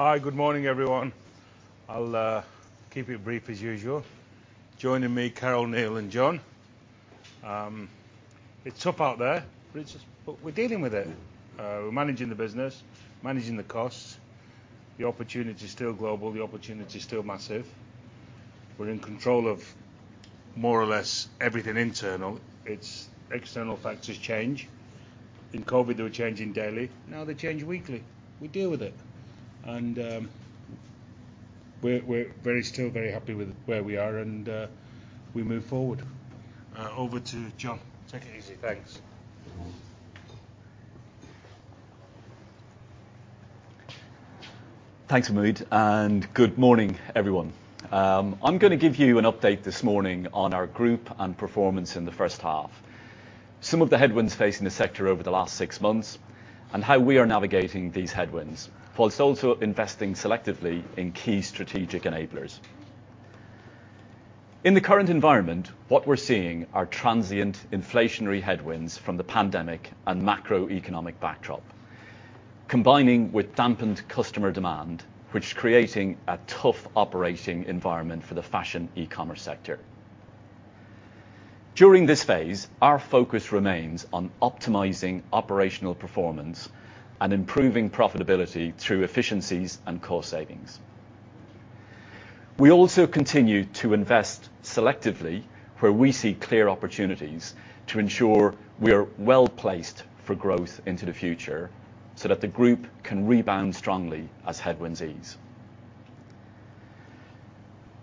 Hi, good morning, everyone. I'll keep it brief as usual. Joining me, Carol, Neil, and John. It's tough out there, but we're dealing with it. We're managing the business, managing the costs. The opportunity is still global, the opportunity is still massive. We're in control of more or less everything internal. It's external factors change. In COVID, they were changing daily. Now, they change weekly. We deal with it. We're still very happy with where we are, and we move forward. Over to John. Take it easy. Thanks. Thanks, Mahmud. Good morning, everyone. I'm gonna give you an update this morning on our group and performance in the first half, some of the headwinds facing the sector over the last six months, and how we are navigating these headwinds while also investing selectively in key strategic enablers. In the current environment, what we're seeing are transient inflationary headwinds from the pandemic and macroeconomic backdrop, combining with dampened customer demand, which creating a tough operating environment for the fashion e-commerce sector. During this phase, our focus remains on optimizing operational performance and improving profitability through efficiencies and cost savings. We also continue to invest selectively where we see clear opportunities to ensure we are well-placed for growth into the future, so that the group can rebound strongly as headwinds ease.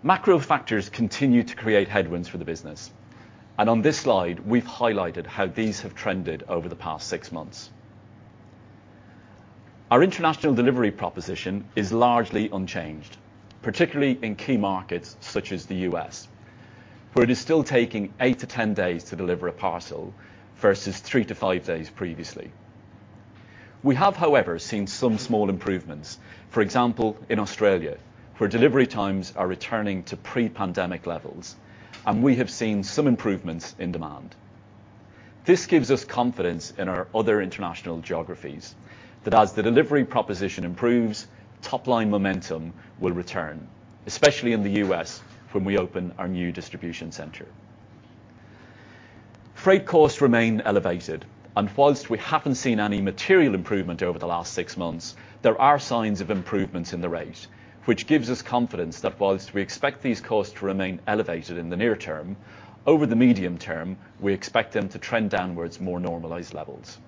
Macro factors continue to create headwinds for the business. On this slide, we've highlighted how these have trended over the past six months. Our international delivery proposition is largely unchanged, particularly in key markets such as the U.S., where it is still taking 8-10 days to deliver a parcel versus 3-5 days previously. We have, however, seen some small improvements, for example, in Australia, where delivery times are returning to pre-pandemic levels, and we have seen some improvements in demand. This gives us confidence in our other international geographies that as the delivery proposition improves, top-line momentum will return, especially in the U.S. when we open our new distribution center. Freight costs remain elevated, and while we haven't seen any material improvement over the last six months, there are signs of improvements in the rate, which gives us confidence that while we expect these costs to remain elevated in the near term, over the medium term, we expect them to trend downwards more normalized levels.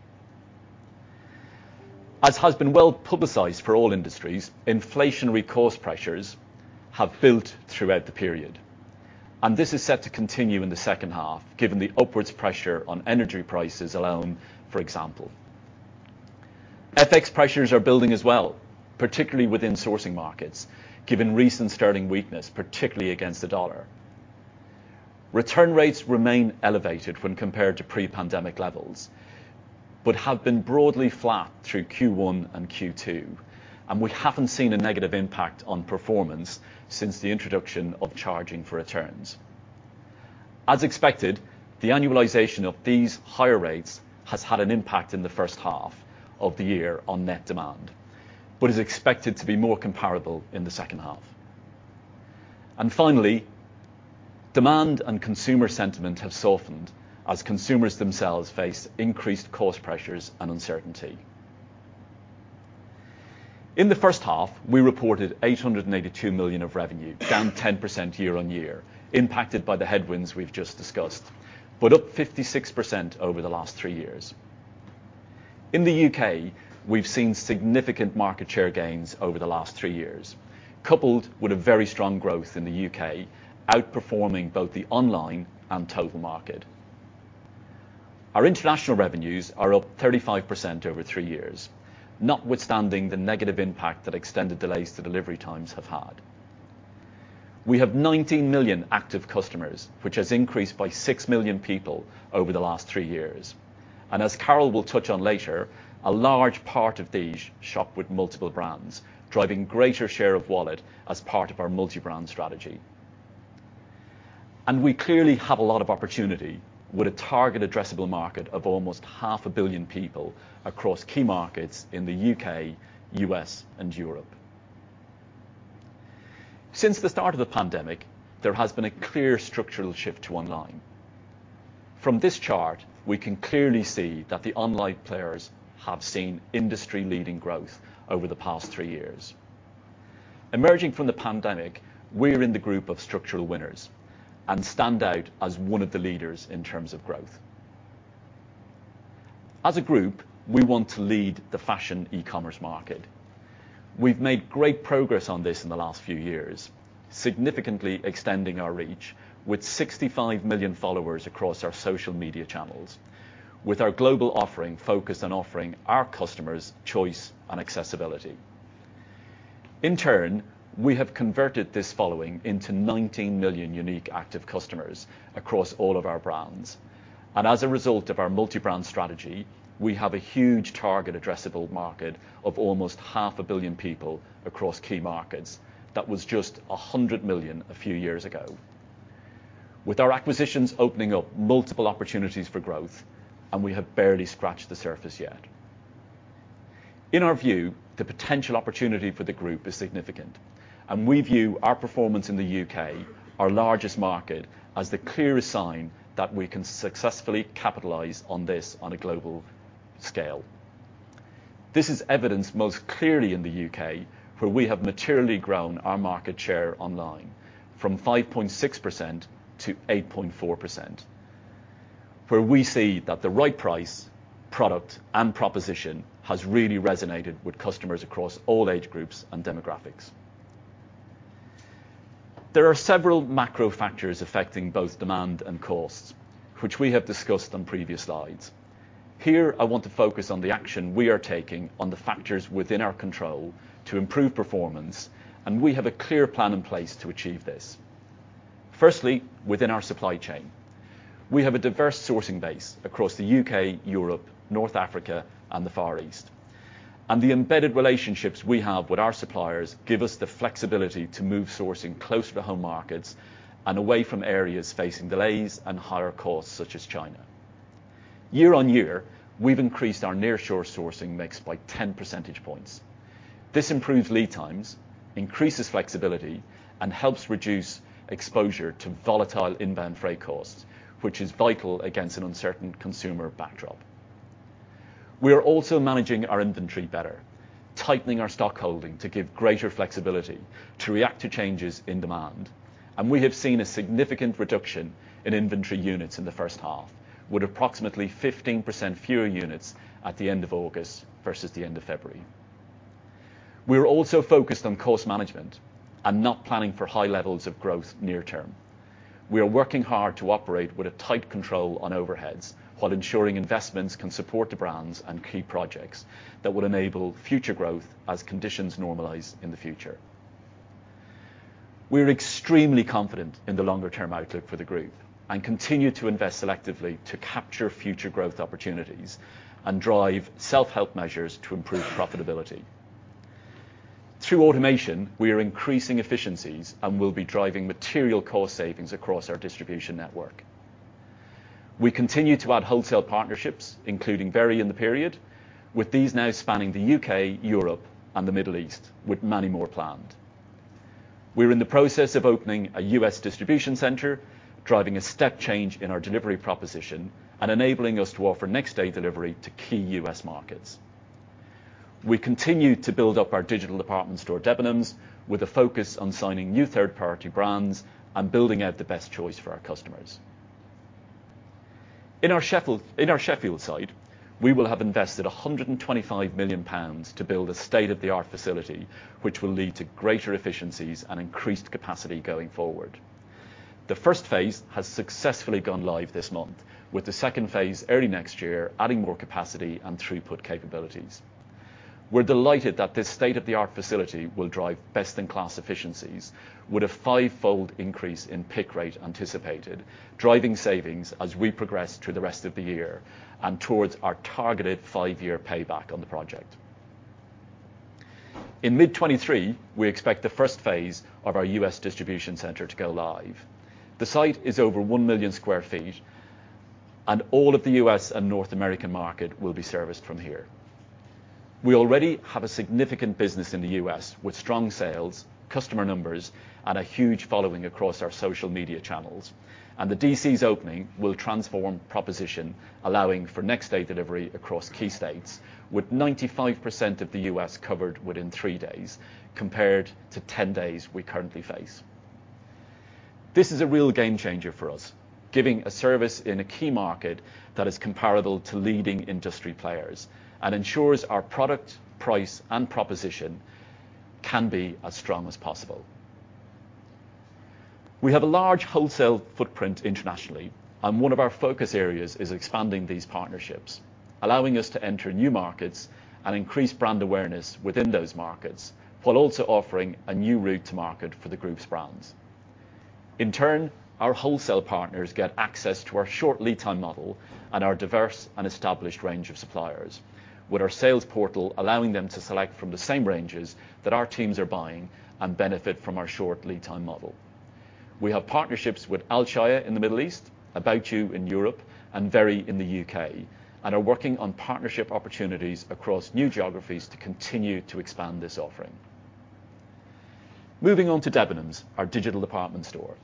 As has been well publicized for all industries, inflationary cost pressures have built throughout the period, and this is set to continue in the second half, given the upwards pressure on energy prices alone, for example. FX pressures are building as well, particularly within sourcing markets, given recent sterling weakness, particularly against the dollar. Return rates remain elevated when compared to pre-pandemic levels, but have been broadly flat through Q1 and Q2, and we haven't seen a negative impact on performance since the introduction of charging for returns. As expected, the annualization of these higher rates has had an impact in the first half of the year on net demand, but is expected to be more comparable in the second half. Finally, demand and consumer sentiment have softened as consumers themselves face increased cost pressures and uncertainty. In the first half, we reported 882 million of revenue, down 10% year-over-year, impacted by the headwinds we've just discussed, but up 56% over the last three years. In the UK, we've seen significant market share gains over the last three years, coupled with a very strong growth in the UK, outperforming both the online and total market. Our international revenues are up 35% over three years, notwithstanding the negative impact that extended delays to delivery times have had. We have 19 million active customers, which has increased by 6 million people over the last three years. As Carol will touch on later, a large part of these shop with multiple brands, driving greater share of wallet as part of our multi-brand strategy. We clearly have a lot of opportunity with a target addressable market of almost 500 million people across key markets in the U.K., U.S., and Europe. Since the start of the pandemic, there has been a clear structural shift to online. From this chart, we can clearly see that the online players have seen industry-leading growth over the past three years. Emerging from the pandemic, we're in the group of structural winners and stand out as one of the leaders in terms of growth. As a group, we want to lead the fashion e-commerce market. We've made great progress on this in the last few years, significantly extending our reach with 65 million followers across our social media channels. With our global offering focused on offering our customers choice and accessibility. In turn, we have converted this following into 19 million unique active customers across all of our brands. As a result of our multi-brand strategy, we have a huge target addressable market of almost half a billion people across key markets. That was just 100 million a few years ago. With our acquisitions opening up multiple opportunities for growth, and we have barely scratched the surface yet. In our view, the potential opportunity for the group is significant, and we view our performance in the UK, our largest market, as the clearest sign that we can successfully capitalize on this on a global scale. This is evidenced most clearly in the UK, where we have materially grown our market share online from 5.6% to 8.4%. Where we see that the right price, product, and proposition has really resonated with customers across all age groups and demographics. There are several macro factors affecting both demand and costs, which we have discussed on previous slides. Here, I want to focus on the action we are taking on the factors within our control to improve performance, and we have a clear plan in place to achieve this. Firstly, within our supply chain, we have a diverse sourcing base across the UK, Europe, North Africa, and the Far East. The embedded relationships we have with our suppliers give us the flexibility to move sourcing closer to home markets and away from areas facing delays and higher costs, such as China. Year on year, we've increased our nearshore sourcing mix by 10 percentage points. This improves lead times, increases flexibility, and helps reduce exposure to volatile inbound freight costs, which is vital against an uncertain consumer backdrop. We are also managing our inventory better, tightening our stock holding to give greater flexibility to react to changes in demand. We have seen a significant reduction in inventory units in the first half, with approximately 15% fewer units at the end of August versus the end of February. We're also focused on cost management and not planning for high levels of growth near term. We are working hard to operate with a tight control on overheads while ensuring investments can support the brands and key projects that will enable future growth as conditions normalize in the future. We're extremely confident in the longer-term outlook for the group and continue to invest selectively to capture future growth opportunities and drive self-help measures to improve profitability. Through automation, we are increasing efficiencies and will be driving material cost savings across our distribution network. We continue to add wholesale partnerships, including Very in the period, with these now spanning the U.K., Europe, and the Middle East, with many more planned. We're in the process of opening a U.S. distribution center, driving a step change in our delivery proposition, and enabling us to offer next-day delivery to key U.S. markets. We continue to build up our digital department store, Debenhams, with a focus on signing new third-party brands and building out the best choice for our customers. In our Sheffield site, we will have invested 125 million pounds to build a state-of-the-art facility, which will lead to greater efficiencies and increased capacity going forward. The first phase has successfully gone live this month, with the second phase early next year adding more capacity and throughput capabilities. We're delighted that this state-of-the-art facility will drive best-in-class efficiencies with a five-fold increase in pick rate anticipated, driving savings as we progress through the rest of the year and towards our targeted five-year payback on the project. In mid 2023, we expect the first phase of our U.S. distribution center to go live. The site is over 1 million sq ft, and all of the U.S. and North American market will be serviced from here. We already have a significant business in the U.S. with strong sales, customer numbers, and a huge following across our social media channels. The DC's opening will transform proposition, allowing for next-day delivery across key states with 95% of the U.S. covered within three days compared to 10 days we currently face. This is a real game changer for us, giving a service in a key market that is comparable to leading industry players and ensures our product, price, and proposition can be as strong as possible. We have a large wholesale footprint internationally, and one of our focus areas is expanding these partnerships, allowing us to enter new markets and increase brand awareness within those markets, while also offering a new route to market for the group's brands. In turn, our wholesale partners get access to our short lead time model and our diverse and established range of suppliers. With our sales portal allowing them to select from the same ranges that our teams are buying and benefit from our short lead time model. We have partnerships with Alshaya in the Middle East, About You in Europe, and Very in the UK, and are working on partnership opportunities across new geographies to continue to expand this offering. Moving on to Debenhams, our digital department store.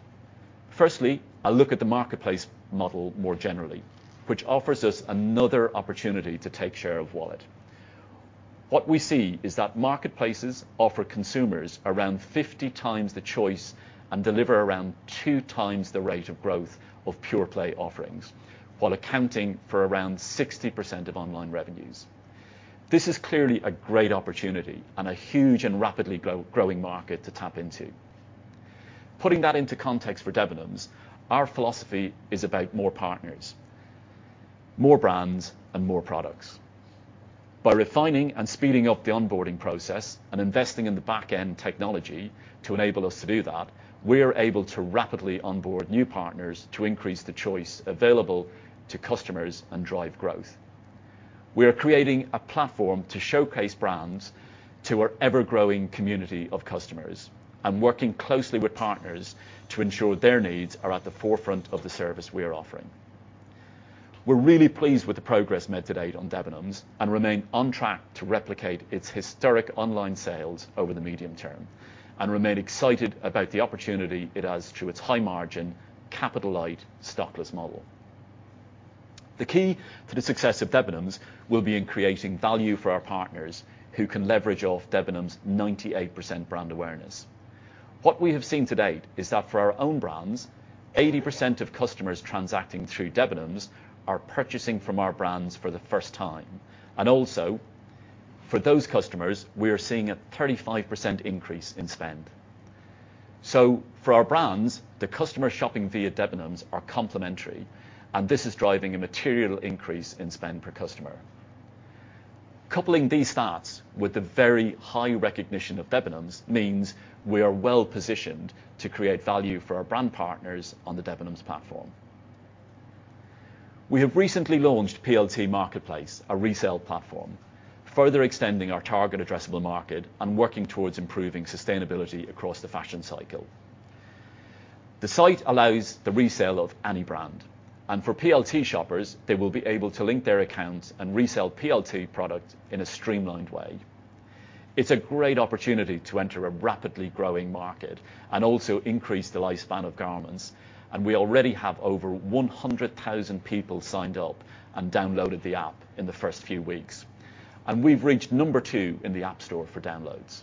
Firstly, a look at the marketplace model more generally, which offers us another opportunity to take share of wallet. What we see is that marketplaces offer consumers around 50x the choice and deliver around 2x the rate of growth of pure-play offerings while accounting for around 60% of online revenues. This is clearly a great opportunity and a huge and rapidly growing market to tap into. Putting that into context for Debenhams, our philosophy is about more partners, more brands, and more products. By refining and speeding up the onboarding process and investing in the back-end technology to enable us to do that, we are able to rapidly onboard new partners to increase the choice available to customers and drive growth. We are creating a platform to showcase brands to our ever-growing community of customers and working closely with partners to ensure their needs are at the forefront of the service we are offering. We're really pleased with the progress made to date on Debenhams and remain on track to replicate its historic online sales over the medium term and remain excited about the opportunity it has through its high margin, capital light, stockless model. The key to the success of Debenhams will be in creating value for our partners who can leverage off Debenhams' 98% brand awareness. What we have seen to date is that for our own brands, 80% of customers transacting through Debenhams are purchasing from our brands for the first time and also for those customers, we are seeing a 35% increase in spend. For our brands, the customer shopping via Debenhams are complementary, and this is driving a material increase in spend per customer. Coupling these stats with the very high recognition of Debenhams means we are well-positioned to create value for our brand partners on the Debenhams platform. We have recently launched PLT MarketPlace, a resale platform, further extending our target addressable market and working towards improving sustainability across the fashion cycle. The site allows the resale of any brand, and for PLT shoppers, they will be able to link their accounts and resell PLT product in a streamlined way. It's a great opportunity to enter a rapidly growing market and also increase the lifespan of garments. We already have over 100,000 people signed up and downloaded the app in the first few weeks, and we've reached number two in the App Store for downloads.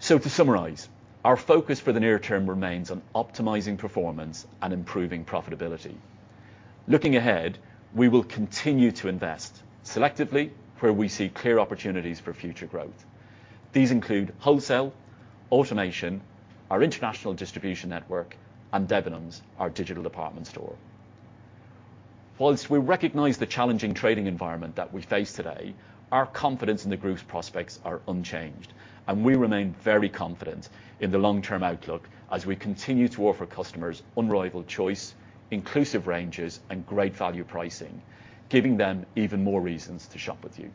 To summarize, our focus for the near term remains on optimizing performance and improving profitability. Looking ahead, we will continue to invest selectively where we see clear opportunities for future growth. These include wholesale, automation, our international distribution network, and Debenhams, our digital department store. While we recognize the challenging trading environment that we face today, our confidence in the group's prospects are unchanged, and we remain very confident in the long-term outlook as we continue to offer customers unrivaled choice, inclusive ranges, and great value pricing, giving them even more reasons to shop with you.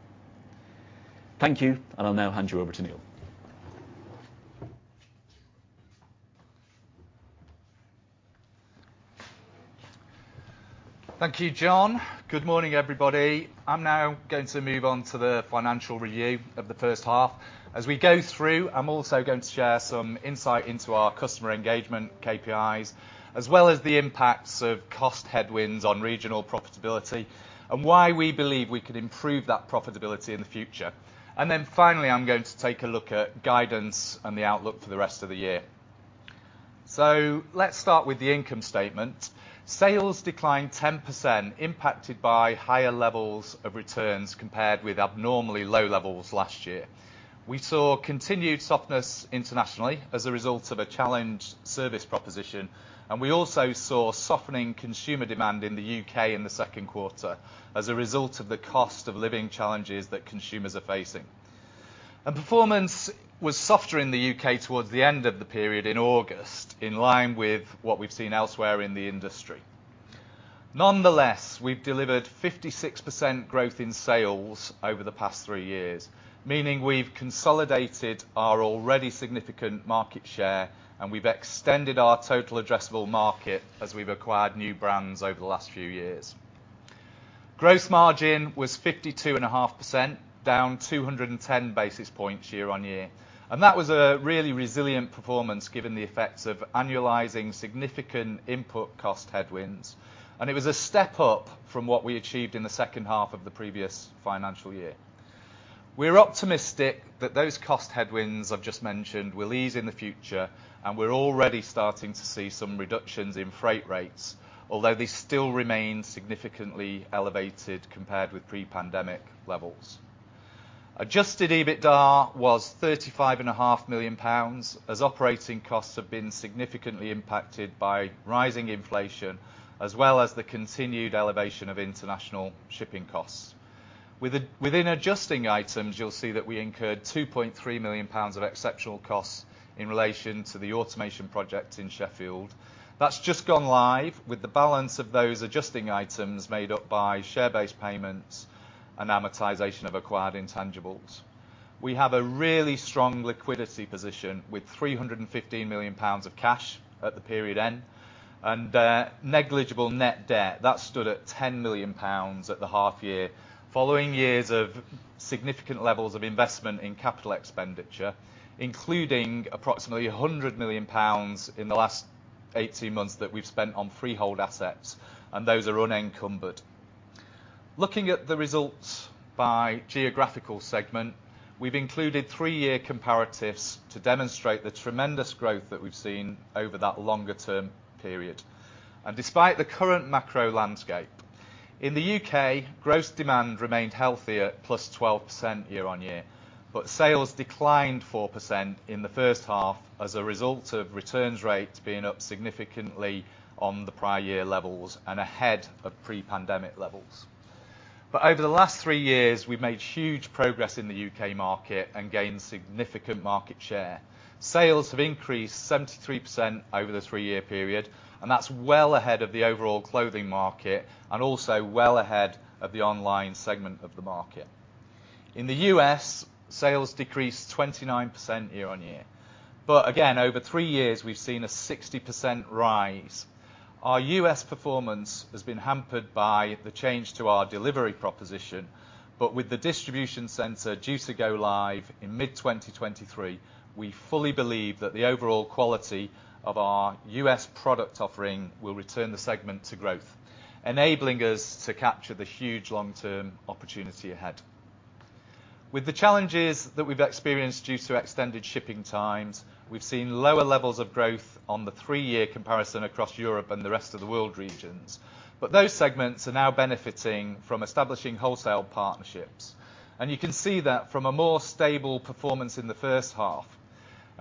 Thank you, and I'll now hand you over to Neil Catto. Thank you, John. Good morning, everybody. I'm now going to move on to the financial review of the first half. As we go through, I'm also going to share some insight into our customer engagement KPIs, as well as the impacts of cost headwinds on regional profitability and why we believe we can improve that profitability in the future. Finally, I'm going to take a look at guidance and the outlook for the rest of the year. Let's start with the income statement. Sales declined 10%, impacted by higher levels of returns compared with abnormally low levels last year. We saw continued softness internationally as a result of a challenged service proposition, and we also saw softening consumer demand in the UK in the second quarter as a result of the cost of living challenges that consumers are facing. Performance was softer in the U.K. towards the end of the period in August, in line with what we've seen elsewhere in the industry. Nonetheless, we've delivered 56% growth in sales over the past three years, meaning we've consolidated our already significant market share and we've extended our total addressable market as we've acquired new brands over the last few years. Gross margin was 52.5%, down 210 basis points year-on-year, and that was a really resilient performance given the effects of annualizing significant input cost headwinds, and it was a step up from what we achieved in the second half of the previous financial year. We're optimistic that those cost headwinds I've just mentioned will ease in the future, and we're already starting to see some reductions in freight rates, although they still remain significantly elevated comared with pre-pandemic levels. Adjusted EBITDA was 35.5 million pounds as operating costs have been significantly impacted by rising inflation as well as the continued elevation of international shipping costs. Within adjusting items, you'll see that we incurred 2.3 million pounds of exceptional costs in relation to the automation project in Sheffield. That's just gone live with the balance of those adjusting items made up by share-based payments and amortization of acquired intangibles. We have a really strong liquidity position with 315 million pounds of cash at the period end and negligible net debt. That stood at 10 million pounds at the half year following years of significant levels of investment in capital expenditure, including approximately 100 million pounds in the last 18 months that we've spent on freehold assets, and those are unencumbered. Looking at the results by geographical segment, we've included 3-year comparatives to demonstrate the tremendous growth that we've seen over that longer term period. Despite the current macro landscape, in the UK, gross demand remained healthier, plus 12% year-on-year, but sales declined 4% in the first half as a result of returns rates being up significantly on the prior year levels and ahead of pre-pandemic levels. Over the last three years, we've made huge progress in the UK market and gained significant market share. Sales have increased 73% over the three-year period, and that's well ahead of the overall clothing market and also well ahead of the online segment of the market. In the U.S., sales decreased 29% year on year. Again, over three years, we've seen a 60% rise. Our U.S. performance has been hampered by the change to our delivery proposition, but with the distribution center due to go live in mid-2023, we fully believe that the overall quality of our U.S. product offering will return the segment to growth, enabling us to capture the huge long-term opportunity ahead. With the challenges that we've experienced due to extended shipping times, we've seen lower levels of growth on the three-year comparison across Europe and the rest of the world regions. Those segments are now benefiting from establishing wholesale partnerships. You can see that from a more stable performance in the first half.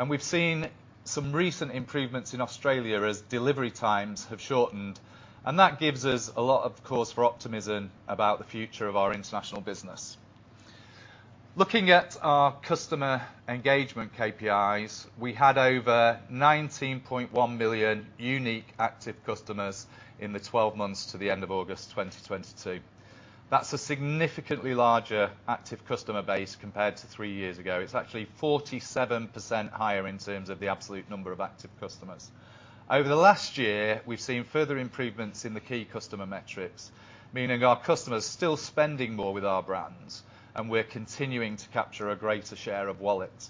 We've seen some recent improvements in Australia as delivery times have shortened, and that gives us a lot of cause for optimism about the future of our international business. Looking at our customer engagement KPIs, we had over 19.1 million unique active customers in the 12 months to the end of August 2022. That's a significantly larger active customer base compared to three years ago. It's actually 47% higher in terms of the absolute number of active customers. Over the last year, we've seen further improvements in the key customer metrics, meaning our customers are still spending more with our brands, and we're continuing to capture a greater share of wallet.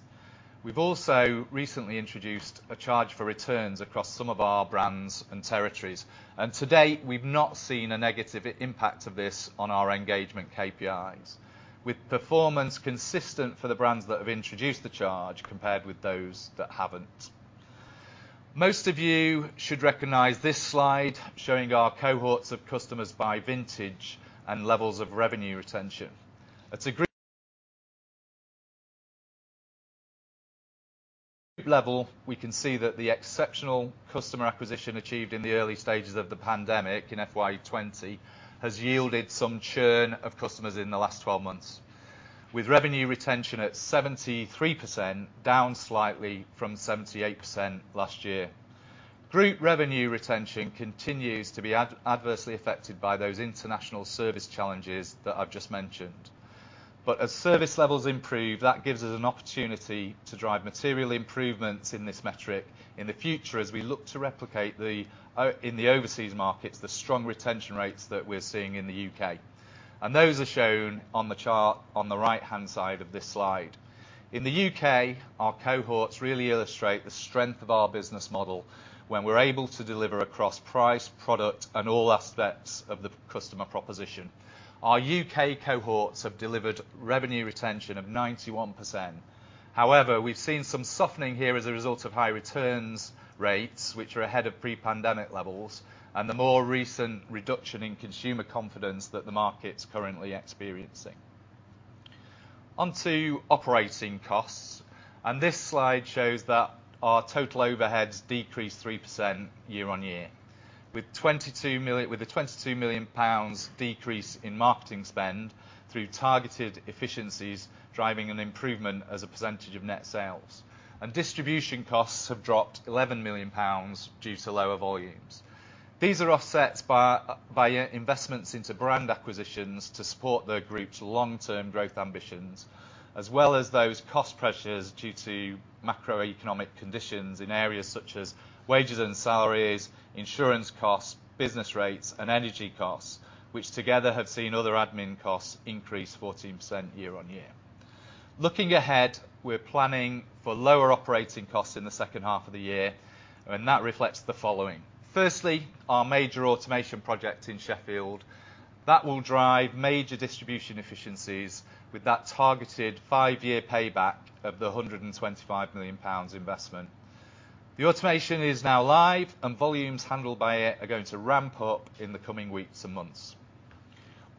We've also recently introduced a charge for returns across some of our brands and territories. To date, we've not seen a negative impact of this on our engagement KPIs, with performance consistent for the brands that have introduced the charge compared with those that haven't. Most of you should recognize this slide showing our cohorts of customers by vintage and levels of revenue retention. At a group level, we can see that the exceptional customer acquisition achieved in the early stages of the pandemic in FY 20 has yielded some churn of customers in the last 12 months, with revenue retention at 73%, down slightly from 78% last year. Group revenue retention continues to be adversely affected by those international service challenges that I've just mentioned. As service levels improve, that gives us an opportunity to drive material improvements in this metric in the future as we look to replicate in the overseas markets, the strong retention rates that we're seeing in the UK. Those are shown on the chart on the right-hand side of this slide. In the UK, our cohorts really illustrate the strength of our business model when we're able to deliver across price, product, and all aspects of the customer proposition. Our UK cohorts have delivered revenue retention of 91%. However, we've seen some softening here as a result of high returns rates, which are ahead of pre-pandemic levels, and the more recent reduction in consumer confidence that the market's currently experiencing. Onto operating costs, and this slide shows that our total overheads decreased 3% year-on-year, with a 22 million pounds decrease in marketing spend through targeted efficiencies driving an improvement as a percentage of net sales. Distribution costs have dropped 11 million pounds due to lower volumes. These are offset by investments into brand acquisitions to support the group's long-term growth ambitions, as well as those cost pressures due to macroeconomic conditions in areas such as wages and salaries, insurance costs, business rates, and energy costs, which together have seen other admin costs increase 14% year-on-year. Looking ahead, we're planning for lower operating costs in the second half of the year, and that reflects the following. Firstly, our major automation project in Sheffield, that will drive major distribution efficiencies with that targeted five-year payback of the 125 million pounds investment. The automation is now live, and volumes handled by it are going to ramp up in the coming weeks and months.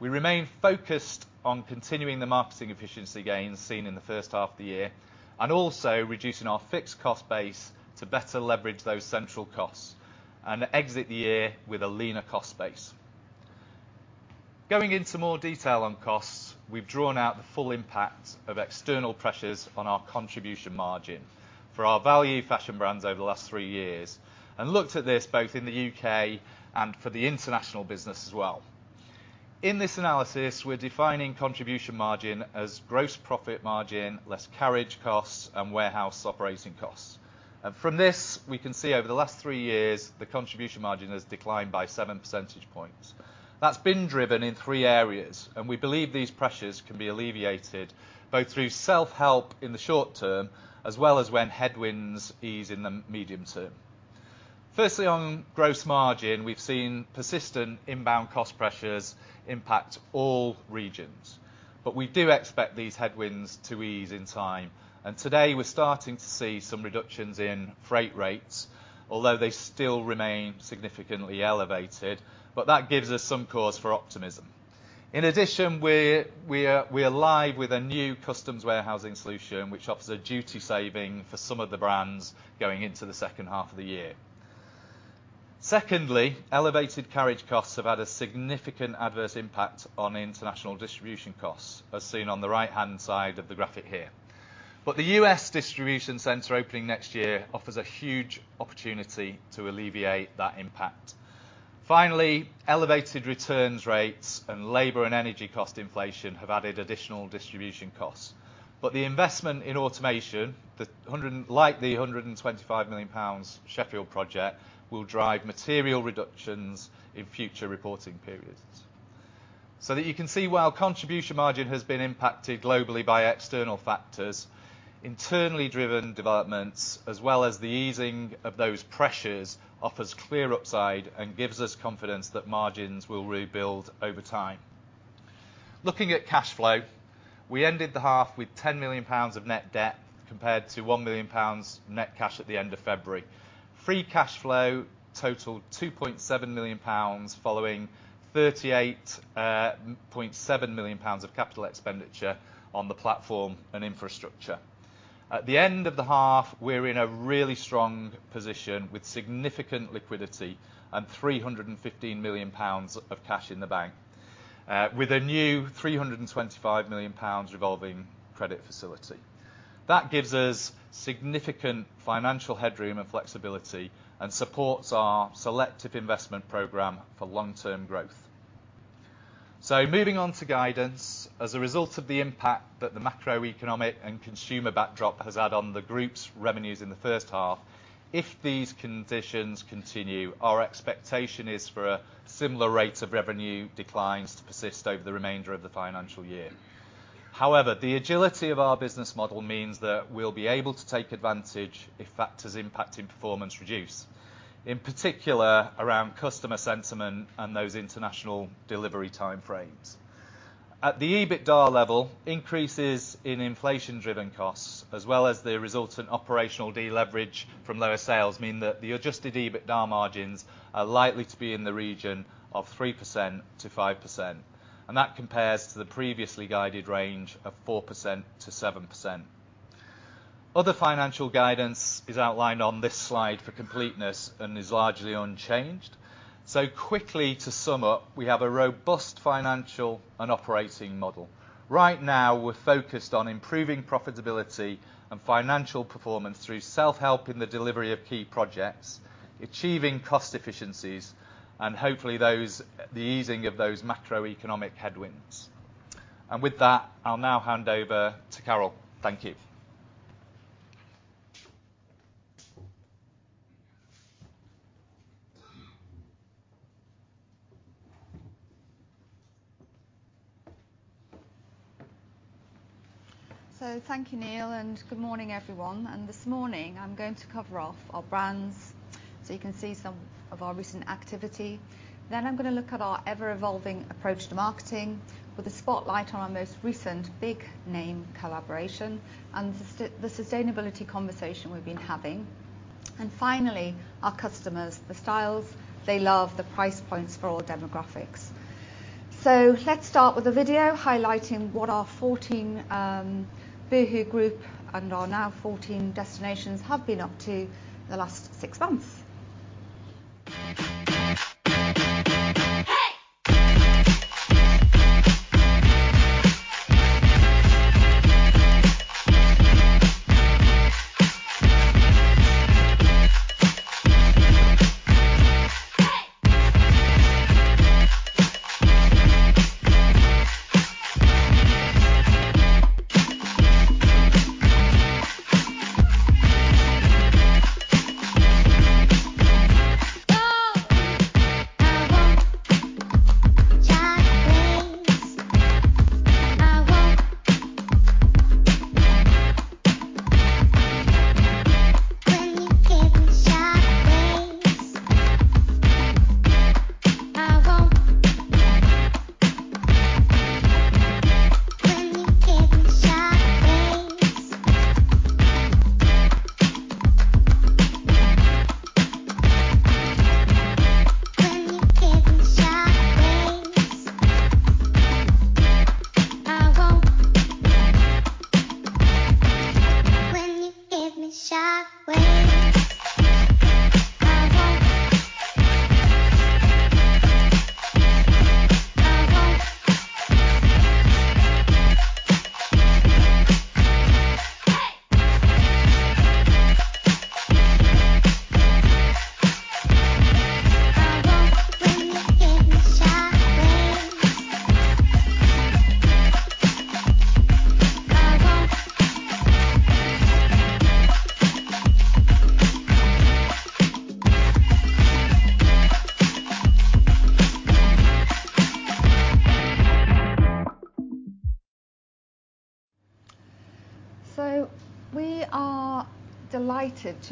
We remain focused on continuing the marketing efficiency gains seen in the first half of the year and also reducing our fixed cost base to better leverage those central costs and exit the year with a leaner cost base. Going into more detail on costs, we've drawn out the full impact of external pressures on our contribution margin for our value fashion brands over the last three years and looked at this both in the UK and for the international business as well. In this analysis, we're defining contribution margin as gross profit margin, less carriage costs, and warehouse operating costs. From this, we can see over the last three years, the contribution margin has declined by 7 percentage points. That's been driven in three areas, and we believe these pressures can be alleviated both through self-help in the short term as well as when headwinds ease in the medium term. Firstly, on gross margin, we've seen persistent inbound cost pressures impact all regions. We do expect these headwinds to ease in time. Today, we're starting to see some reductions in freight rates, although they still remain significantly elevated, but that gives us some cause for optimism. In addition, we're live with a new customs warehousing solution which offers a duty saving for some of the brands going into the second half of the year. Secondly, elevated carriage costs have had a significant adverse impact on international distribution costs, as seen on the right-hand side of the graphic here. The U.S. distribution center opening next year offers a huge opportunity to alleviate that impact. Finally, elevated returns rates and labor and energy cost inflation have added additional distribution costs. The investment in automation, the 125 million pounds Sheffield project, will drive material reductions in future reporting periods. That you can see while contribution margin has been impacted globally by external factors, internally driven developments as well as the easing of those pressures, offers clear upside and gives us confidence that margins will rebuild over time. Looking at cash flow, we ended the half with 10 million pounds of net debt compared to 1 million pounds net cash at the end of February. Free cash flow totaled 2.7 million pounds, following 38.7 million pounds of capital expenditure on the platform and infrastructure. At the end of the half, we're in a really strong position with significant liquidity and 315 million pounds of cash in the bank, with a new 325 million pounds revolving credit facility. That gives us significant financial headroom and flexibility, and supports our selective investment program for long-term growth. Moving on to guidance. As a result of the impact that the macroeconomic and consumer backdrop has had on the group's revenues in the first half, if these conditions continue, our expectation is for a similar rate of revenue declines to persist over the remainder of the financial year. However, the agility of our business model means that we'll be able to take advantage if factors impacting performance reduce, in particular around customer sentiment and those international delivery time frames. At the EBITDA level, increases in inflation driven costs, as well as the resultant operational deleverage from lower sales, mean that the adjusted EBITDA margins are likely to be in the region of 3% to 5%, and that compares to the previously guided range of 4% to 7%. Other financial guidance is outlined on this slide for completeness and is largely unchanged. Quickly to sum up, we have a robust financial and operating model. Right now, we're focused on improving profitability and financial performance through self-help in the delivery of key projects, achieving cost efficiencies and hopefully the easing of those macroeconomic headwinds. With that, I'll now hand over to Carol. Thank you. Thank you, Neil, and good morning, everyone. This morning I'm going to cover off our brands, so you can see some of our recent activity. I'm gonna look at our ever-evolving approach to marketing with a spotlight on our most recent big name collaboration and the sustainability conversation we've been having. Finally, our customers, the styles they love, the price points for all demographics. Let's start with a video highlighting what our 14 boohoo group and our now 14 destinations have been up to the last six months.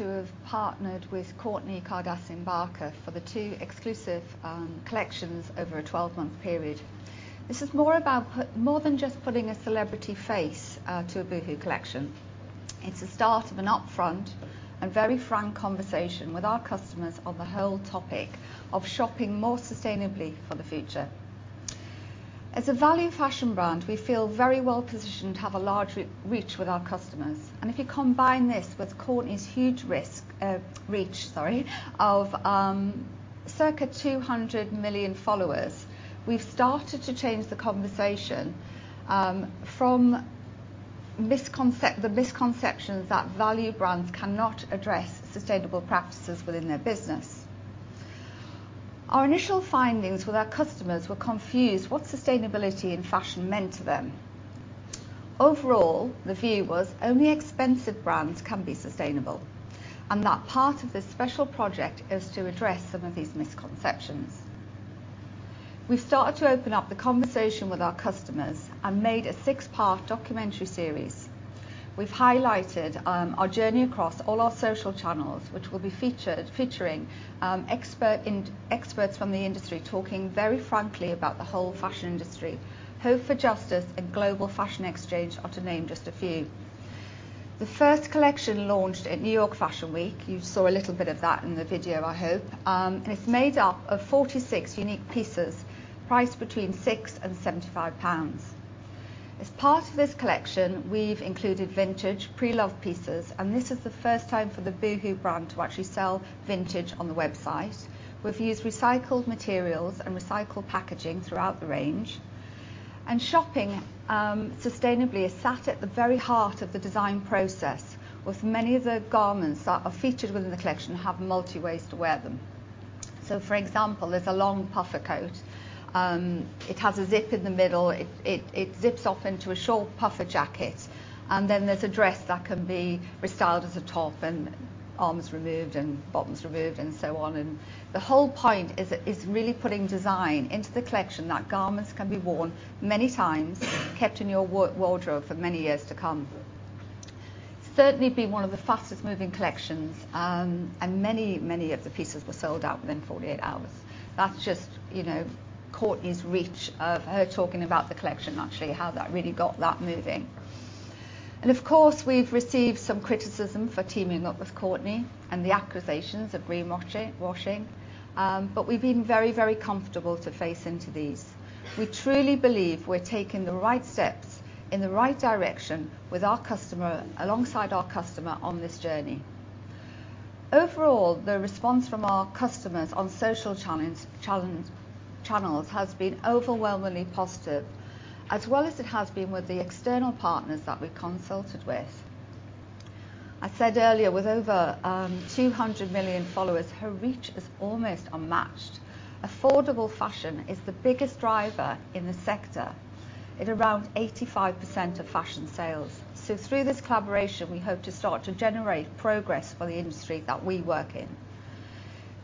I won't when you give me shock waves. We are delighted to have partnered with Kourtney Kardashian Barker for the two exclusive collections over a 12-month period. This is more about more than just putting a celebrity face to a boohoo collection. It's a start of an upfront and very frank conversation with our customers on the whole topic of shopping more sustainably for the future. As a value fashion brand, we feel very well positioned to have a large reach with our customers. If you combine this with Kourtney's huge reach of circa 200 million followers, we've started to change the conversation from the misconceptions that value brands cannot address sustainable practices within their business. Our initial findings were our customers were confused what sustainability and fashion meant to them. Overall, the view was only expensive brands can be sustainable, and that part of this special project is to address some of these misconceptions. We've started to open up the conversation with our customers and made a six-part documentary series. We've highlighted our journey across all our social channels, which will be featuring experts from the industry, talking very frankly about the whole fashion industry. Hope for Justice and Global Fashion Exchange are two to name just a few. The first collection launched at New York Fashion Week. You saw a little bit of that in the video, I hope. It's made up of 46 unique pieces, priced between 6 and 75 pounds. As part of this collection, we've included vintage pre-loved pieces, and this is the first time for the boohoo brand to actually sell vintage on the website. We've used recycled materials and recycled packaging throughout the range. Shopping sustainably has sat at the very heart of the design process, with many of the garments that are featured within the collection have multiple ways to wear them. For example, there's a long puffer coat. It has a zip in the middle. It zips off into a short puffer jacket. Then there's a dress that can be restyled as a top and arms removed and bottoms removed and so on. The whole point is really putting design into the collection that garments can be worn many times, kept in your wardrobe for many years to come. Certainly been one of the fastest moving collections, and many, many of the pieces were sold out within 48 hours. That's just, you know, Kourtney's reach of her talking about the collection, actually, how that really got that moving. Of course, we've received some criticism for teaming up with Kourtney and the accusations of greenwashing. But we've been very, very comfortable to face into these. We truly believe we're taking the right steps in the right direction with our customer, alongside our customer on this journey. Overall, the response from our customers on social channels has been overwhelmingly positive, as well as it has been with the external partners that we consulted with. I said earlier, with over 200 million followers, her reach is almost unmatched. Affordable fashion is the biggest driver in the sector, at around 85% of fashion sales. Through this collaboration, we hope to start to generate progress for the industry that we work in.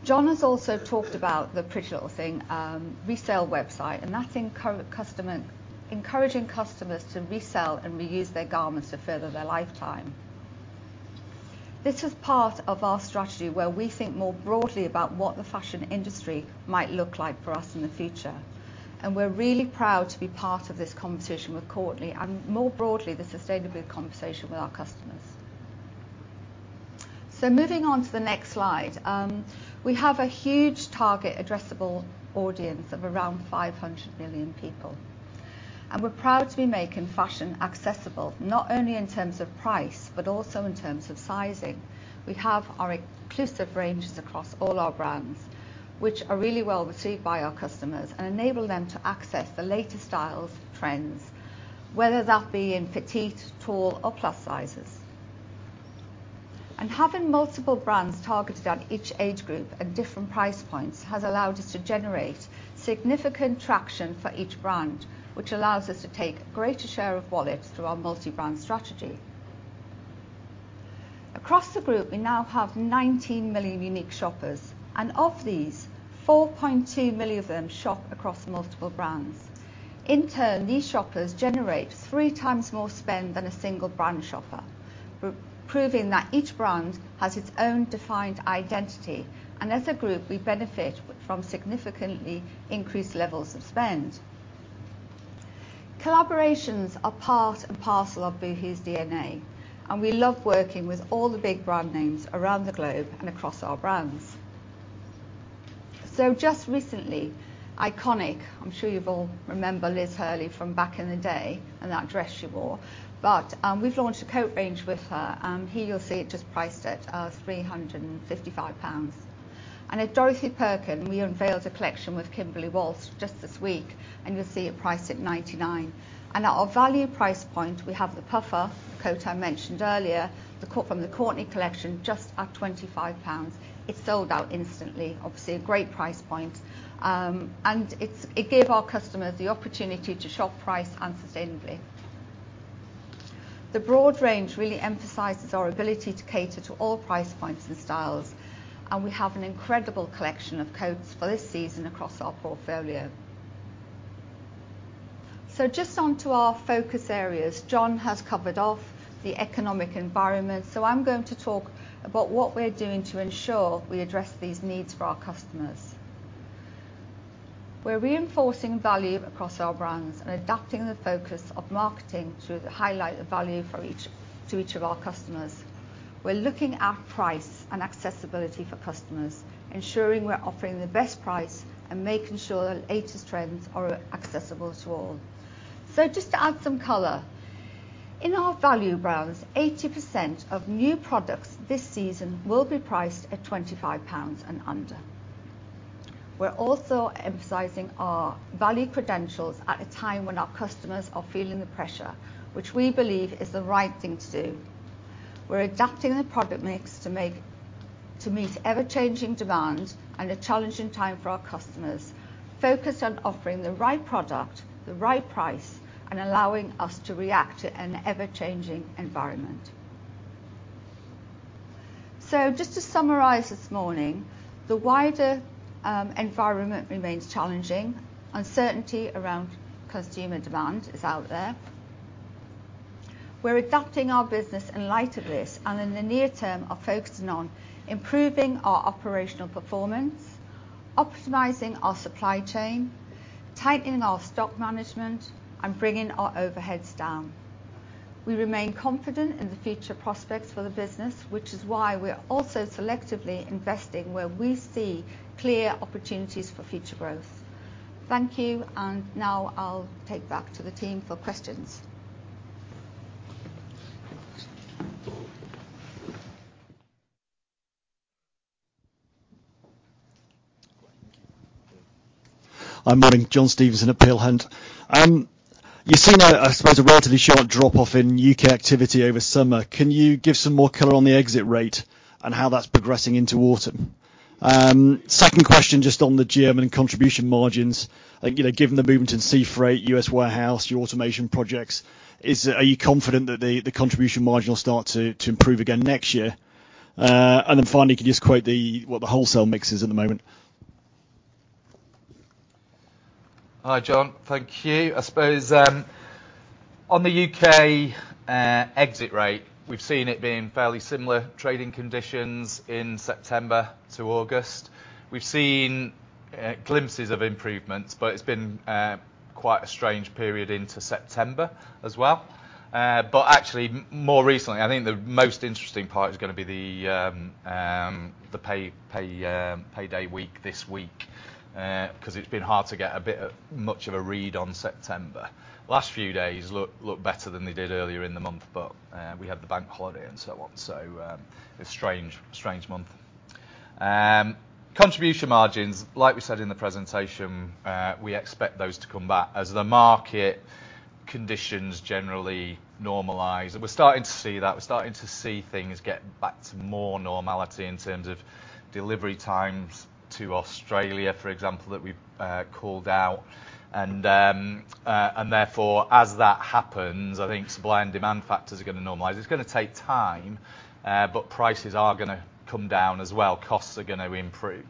John has also talked about the PrettyLittleThing resale website, and that's encouraging customers to resell and reuse their garments to further their lifetime. This is part of our strategy where we think more broadly about what the fashion industry might look like for us in the future, and we're really proud to be part of this conversation with Kourtney and, more broadly, the sustainability conversation with our customers. Moving on to the next slide. We have a huge target addressable audience of around 500 million people, and we're proud to be making fashion accessible, not only in terms of price, but also in terms of sizing. We have our inclusive ranges across all our brands, which are really well received by our customers and enable them to access the latest styles, trends, whether that be in petite, tall or plus sizes. Having multiple brands targeted at each age group at different price points has allowed us to generate significant traction for each brand, which allows us to take greater share of wallets through our multi-brand strategy. Across the group, we now have 19 million unique shoppers, and of these, 4.2 million of them shop across multiple brands. In turn, these shoppers generate three times more spend than a single brand shopper, proving that each brand has its own defined identity. As a group, we benefit from significantly increased levels of spend. Collaborations are part and parcel of Boohoo's DNA, and we love working with all the big brand names around the globe and across our brands. Just recently, iconic, I'm sure you all remember Liz Hurley from back in the day and that dress she wore, but we've launched a coat range with her. Here you'll see it just priced at 355 pounds. At Dorothy Perkins, we unveiled a collection with Kimberley Walsh just this week, and you'll see it priced at 99. At our value price point, we have the puffer coat I mentioned earlier, from the Kourtney collection, just at 25 pounds. It sold out instantly. Obviously, a great price point. It gave our customers the opportunity to shop by price and sustainably. The broad range really emphasizes our ability to cater to all price points and styles, and we have an incredible collection of coats for this season across our portfolio. Just onto our focus areas. John has covered off the economic environment, so I'm going to talk about what we're doing to ensure we address these needs for our customers. We're reinforcing value across our brands and adapting the focus of marketing to highlight the value to each of our customers. We're looking at price and accessibility for customers, ensuring we're offering the best price and making sure the latest trends are accessible to all. Just to add some color. In our value brands, 80% of new products this season will be priced at 25 pounds and under. We're also emphasizing our value credentials at a time when our customers are feeling the pressure, which we believe is the right thing to do. We're adapting the product mix to meet ever-changing demands and a challenging time for our customers, focused on offering the right product, the right price, and allowing us to react to an ever-changing environment. Just to summarize this morning, the wider environment remains challenging. Uncertainty around customer demand is out there. We're adapting our business in light of this, and in the near term, are focusing on improving our operational performance, optimizing our supply chain, tightening our stock management, and bringing our overheads down. We remain confident in the future prospects for the business, which is why we're also selectively investing where we see clear opportunities for future growth. Thank you, and now I'll take back to the team for questions. Hi, morning. John Stevenson at Peel Hunt. You've seen a, I suppose, a relatively sharp drop-off in UK activity over summer. Can you give some more color on the exit rate and how that's progressing into autumn? Second question, just on the group contribution margins. Like, you know, given the movement in sea freight, US warehouse, your automation projects, are you confident that the contribution margin will start to improve again next year? And then finally, can you just quote what the wholesale mix is at the moment? Hi, John. Thank you. I suppose, on the UK exit rate, we've seen it being fairly similar trading conditions in September to August. We've seen glimpses of improvements, but it's been quite a strange period into September as well. Actually more recently, I think the most interesting part is gonna be the payday week this week. 'Cause it's been hard to get much of a read on September. Last few days look better than they did earlier in the month, but we had the bank holiday and so on. A strange month. Contribution margins, like we said in the presentation, we expect those to come back as the market conditions generally normalize. We're starting to see that. We're starting to see things get back to more normality in terms of delivery times to Australia, for example, that we called out. Therefore, as that happens, I think supply and demand factors are gonna normalize. It's gonna take time, but prices are gonna come down as well, costs are gonna improve.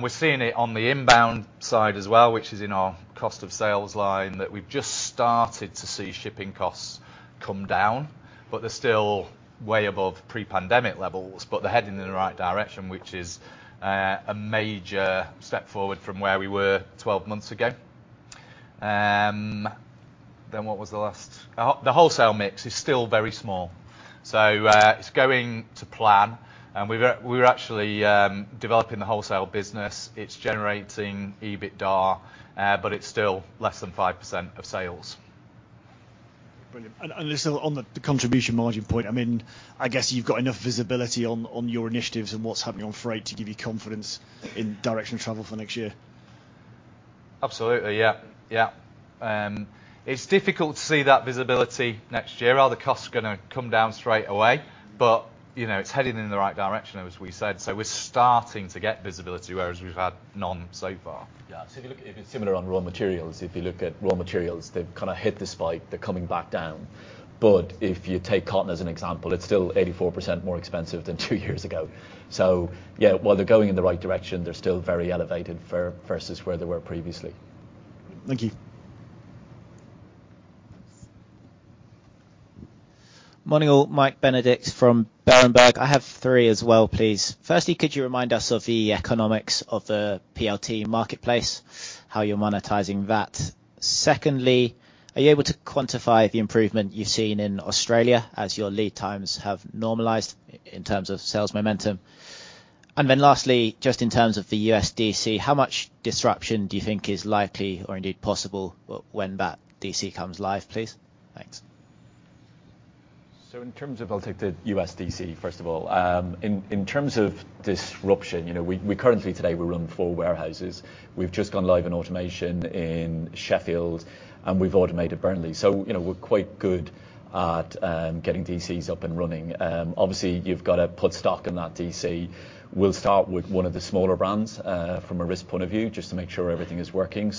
We're seeing it on the inbound side as well, which is in our cost of sales line, that we've just started to see shipping costs come down, but they're still way above pre-pandemic levels. They're heading in the right direction, which is a major step forward from where we were 12 months ago. The wholesale mix is still very small. It's going to plan, and we're actually developing the wholesale business. It's generating EBITDA, but it's still less than 5% of sales. Brilliant. Just on the contribution margin point, I mean, I guess you've got enough visibility on your initiatives and what's happening on freight to give you confidence in direction of travel for next year. Absolutely. Yeah, yeah. It's difficult to see that visibility next year, are the costs gonna come down straight away? You know, it's heading in the right direction, as we said, so we're starting to get visibility, whereas we've had none so far. Yeah. If you look at raw materials, if it's similar on raw materials, they've kinda hit the spike, they're coming back down. If you take cotton as an example, it's still 84% more expensive than two years ago. Yeah, while they're going in the right direction, they're still very elevated versus where they were previously. Thank you. Morning, all. Michael Benedict from Berenberg. I have three as well, please. Firstly, could you remind us of the economics of the PLT marketplace, how you're monetizing that? Secondly, are you able to quantify the improvement you've seen in Australia as your lead times have normalized in terms of sales momentum? And then lastly, just in terms of the US DC, how much disruption do you think is likely or indeed possible when that DC comes live, please? Thanks. In terms of, I'll take the US DC first of all. In terms of disruption, you know, we currently today we run four warehouses. We've just gone live in automation in Sheffield, and we've automated Burnley. You know, we're quite good at getting DCs up and running. Obviously, you've got to put stock in that DC. We'll start with one of the smaller brands from a risk point of view, just to make sure everything is working.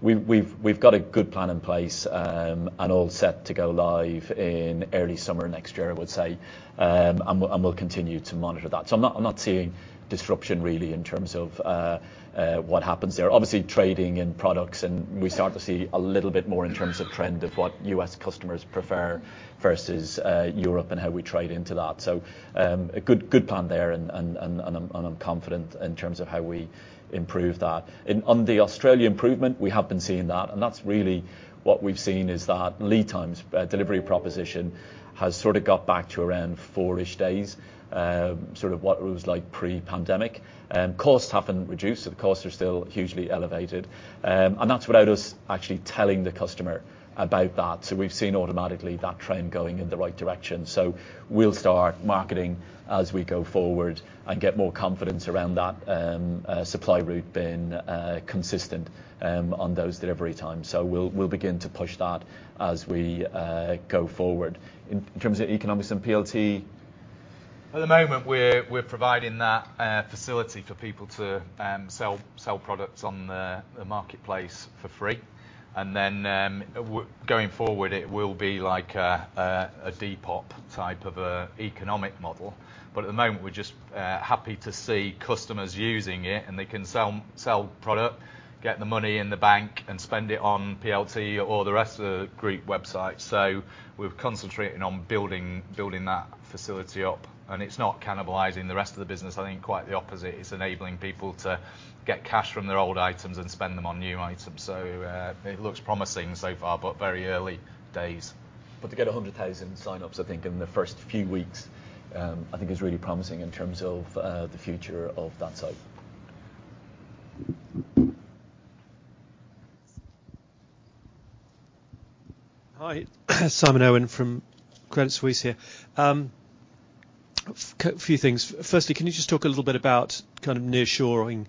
We've got a good plan in place and all set to go live in early summer next year, I would say. And we'll continue to monitor that. I'm not seeing disruption really in terms of what happens there. Obviously, trading in products and we start to see a little bit more in terms of trend of what U.S. customers prefer versus Europe and how we trade into that. A good plan there and I'm confident in terms of how we improve that. On the Australia improvement, we have been seeing that, and that's really what we've seen is that lead times, delivery proposition has sort of got back to around 4-ish days, sort of what it was like pre-pandemic. Costs haven't reduced, so the costs are still hugely elevated. That's without us actually telling the customer about that. We've seen automatically that trend going in the right direction. We'll start marketing as we go forward and get more confidence around that supply route being consistent on those delivery times. We'll begin to push that as we go forward. In terms of economics and PLT At the moment, we're providing that facility for people to sell products on the marketplace for free. Going forward, it will be like a Depop type of a economic model. At the moment, we're just happy to see customers using it, and they can sell product, get the money in the bank and spend it on PLT or the rest of the group websites. We're concentrating on building that facility up, and it's not cannibalizing the rest of the business. I think quite the opposite. It's enabling people to get cash from their old items and spend them on new items. It looks promising so far, but very early days. To get 100,000 signups, I think in the first few weeks, I think is really promising in terms of the future of that site. Hi. Simon Irwin from Credit Suisse here. Few things. Firstly, can you just talk a little bit about kind of nearshoring,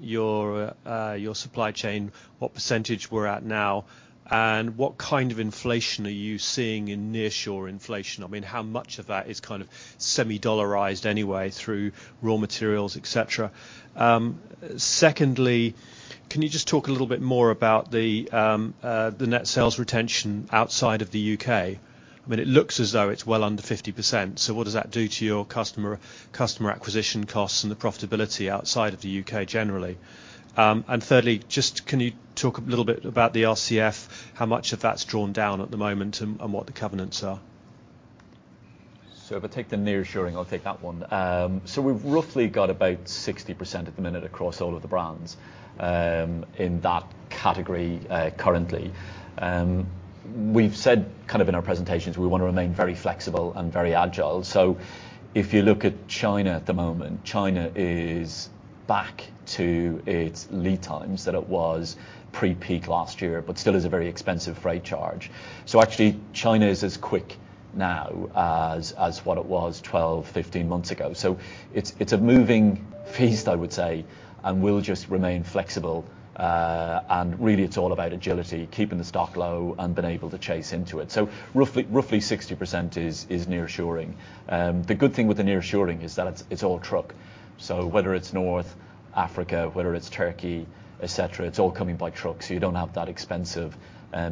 your supply chain, what percentage we're at now? What kind of inflation are you seeing in nearshore inflation? I mean, how much of that is kind of semi-dollarized anyway through raw materials, et cetera? Secondly, can you just talk a little bit more about the net sales retention outside of the UK? I mean, it looks as though it's well under 50%, so what does that do to your customer acquisition costs and the profitability outside of the UK generally? Thirdly, just can you talk a little bit about the RCF, how much of that's drawn down at the moment and what the covenants are? If I take the nearshoring, I'll take that one. We've roughly got about 60% at the minute across all of the brands in that category currently. We've said kind of in our presentations we wanna remain very flexible and very agile. If you look at China at the moment, China is back to its lead times that it was pre-peak last year but still is a very expensive freight charge. Actually, China is as quick now as what it was 12, 15 months ago. It's a moving feast, I would say, and we'll just remain flexible. Really it's all about agility, keeping the stock low and being able to chase into it. Roughly 60% is nearshoring. The good thing with the nearshoring is that it's all truck. Whether it's North Africa, whether it's Turkey, et cetera, it's all coming by truck, so you don't have that expensive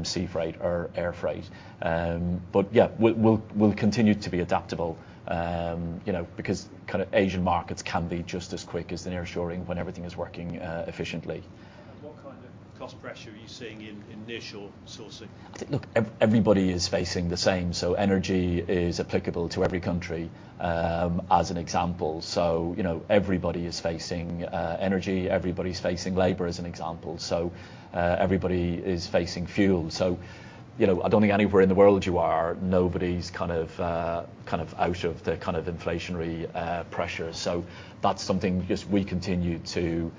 sea freight or air freight. Yeah, we'll continue to be adaptable, you know, because kinda Asian markets can be just as quick as the nearshoring when everything is working efficiently. What kind of cost pressure are you seeing in nearshore sourcing? I think, look, everybody is facing the same. Energy is applicable to every country, as an example. You know, everybody is facing energy, everybody's facing labor, as an example. Everybody is facing fuel. You know, I don't think anywhere in the world you are, nobody's kind of out of the kind of inflationary pressure. That's something just we continue to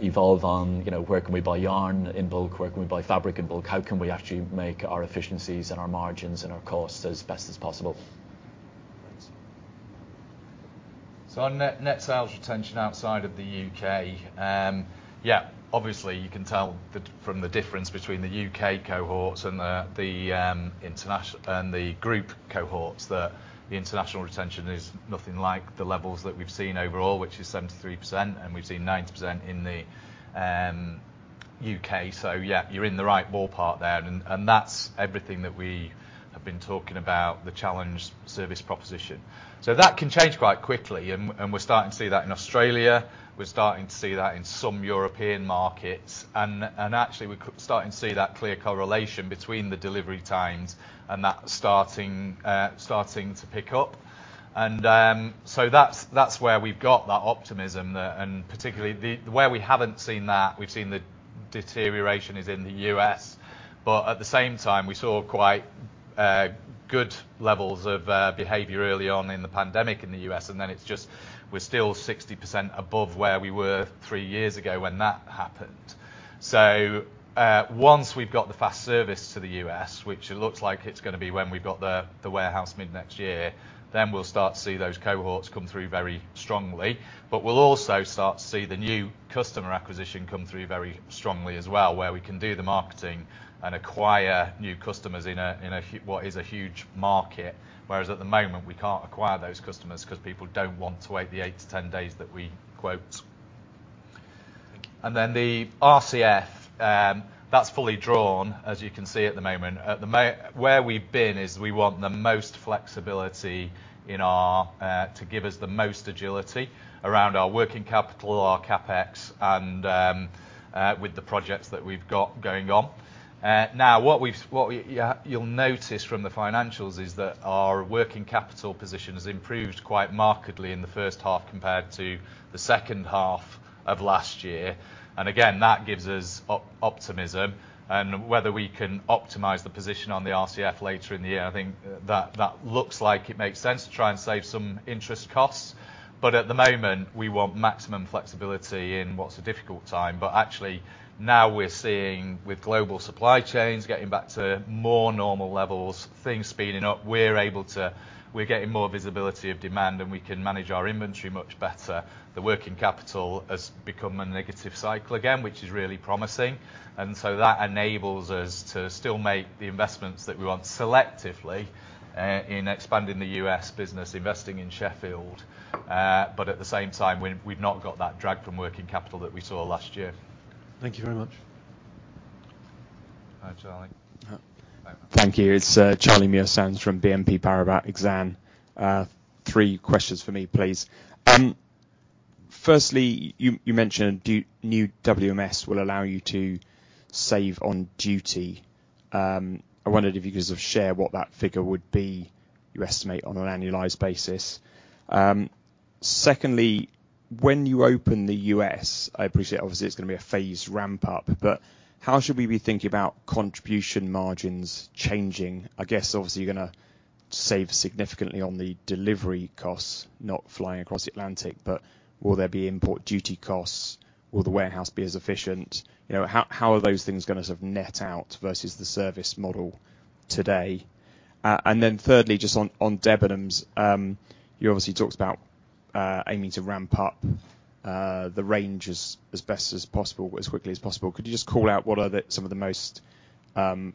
evolve on. You know, where can we buy yarn in bulk? Where can we buy fabric in bulk? How can we actually make our efficiencies and our margins and our costs as best as possible? Thanks. On net sales retention outside of the U.K., obviously you can tell from the difference between the U.K. cohorts and the international and the group cohorts, that the international retention is nothing like the levels that we've seen overall, which is 73%, and we've seen 90% in the U.K. Yeah, you're in the right ballpark there. That's everything that we have been talking about, the challenging service proposition. That can change quite quickly, and we're starting to see that in Australia. We're starting to see that in some European markets. Actually, we're starting to see that clear correlation between the delivery times and that starting to pick up. That's where we've got that optimism there. Particularly the way we haven't seen that, we've seen the deterioration is in the U.S. At the same time, we saw quite good levels of behavior early on in the pandemic in the U.S., and then it's just we're still 60% above where we were three years ago when that happened. Once we've got the fast service to the U.S., which it looks like it's gonna be when we've got the warehouse mid next year, then we'll start to see those cohorts come through very strongly. We'll also start to see the new customer acquisition come through very strongly as well, where we can do the marketing and acquire new customers in a huge market. Whereas at the moment, we can't acquire those customers 'cause people don't want to wait the 8-10 days that we quote. Then the RCF, that's fully drawn, as you can see at the moment. Where we've been is we want the most flexibility in our, to give us the most agility around our working capital, our CapEx and, with the projects that we've got going on. Now, what we've, yeah, you'll notice from the financials is that our working capital position has improved quite markedly in the first half compared to the second half of last year. Again, that gives us optimism. Whether we can optimize the position on the RCF later in the year, I think that looks like it makes sense to try and save some interest costs. At the moment, we want maximum flexibility in what's a difficult time. Actually, now we're seeing, with global supply chains getting back to more normal levels, things speeding up, we're able to get more visibility of demand, and we can manage our inventory much better. The working capital has become a negative cycle again, which is really promising. That enables us to still make the investments that we want selectively in expanding the US business, investing in Sheffield. At the same time, we've not got that drag from working capital that we saw last year. Thank you very much. Hi, Charlie. Thank you. It's Charlie Muir-Sands from BNP Paribas Exane. Three questions for me, please. Firstly, you mentioned new WMS will allow you to save on duty. I wondered if you could sort of share what that figure would be, you estimate on an annualized basis. Secondly, when you open the US, I appreciate obviously it's gonna be a phased ramp up, but how should we be thinking about contribution margins changing? I guess obviously you're gonna save significantly on the delivery costs not flying across Atlantic, but will there be import duty costs? Will the warehouse be as efficient? You know, how are those things gonna sort of net out versus the service model today? Thirdly, just on Debenhams, you obviously talked about aiming to ramp up the range as best as possible, as quickly as possible. Could you just call out what are some of the most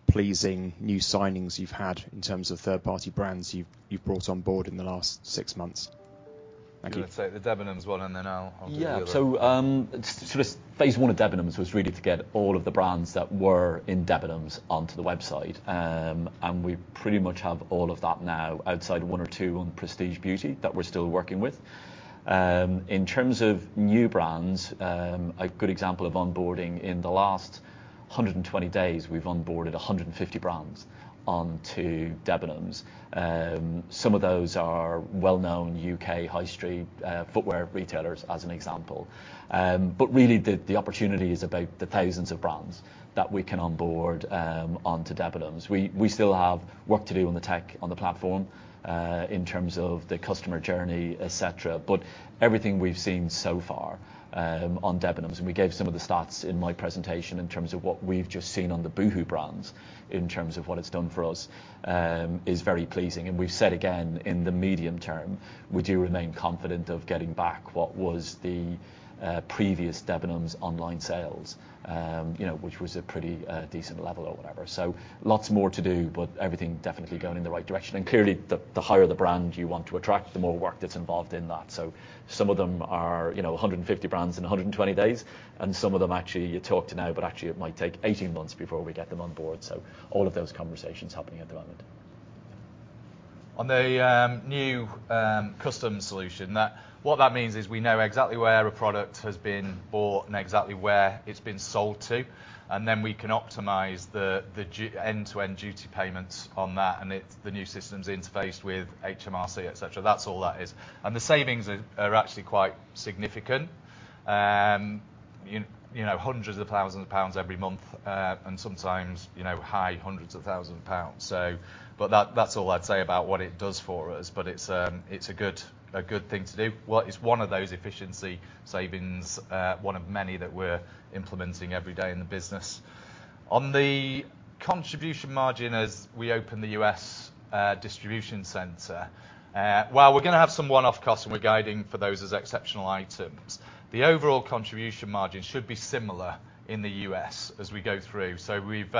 pleasing new signings you've had in terms of third-party brands you've brought on board in the last six months? Thank you. You wanna take the Debenhams one, and then I'll take the other one. Yeah. The phase one of Debenhams was really to get all of the brands that were in Debenhams onto the website. We pretty much have all of that now outside one or two on prestige beauty that we're still working with. In terms of new brands, a good example of onboarding in the last 120 days, we've onboarded 150 brands onto Debenhams. Some of those are well-known UK high street footwear retailers, as an example. Really, the opportunity is about the thousands of brands that we can onboard onto Debenhams. We still have work to do on the tech, on the platform, in terms of the customer journey, et cetera. Everything we've seen so far, on Debenhams, and we gave some of the stats in my presentation in terms of what we've just seen on the boohoo brands in terms of what it's done for us, is very pleasing. We've said again, in the medium term, we do remain confident of getting back what was the previous Debenhams online sales, you know, which was a pretty decent level or whatever. Lots more to do, but everything definitely going in the right direction. Clearly, the higher the brand you want to attract, the more work that's involved in that. Some of them are, you know, 150 brands in 120 days, and some of them actually you talk to now, but actually it might take 18 months before we get them on board. All of those conversations happening at the moment. On the new custom solution, what that means is we know exactly where a product has been bought and exactly where it's been sold to, and then we can optimize the end-to-end duty payments on that, and it's the new system's interfaced with HMRC, et cetera. That's all that is. The savings are actually quite significant. You know, hundreds of thousands of pounds every month, and sometimes, you know, high hundreds of thousands of pounds. But that's all I'd say about what it does for us, but it's a good thing to do. Well, it's one of those efficiency savings, one of many that we're implementing every day in the business. On the contribution margin as we open the U.S. distribution center, while we're gonna have some one-off costs, and we're guiding for those as exceptional items, the overall contribution margin should be similar in the U.S. as we go through. We've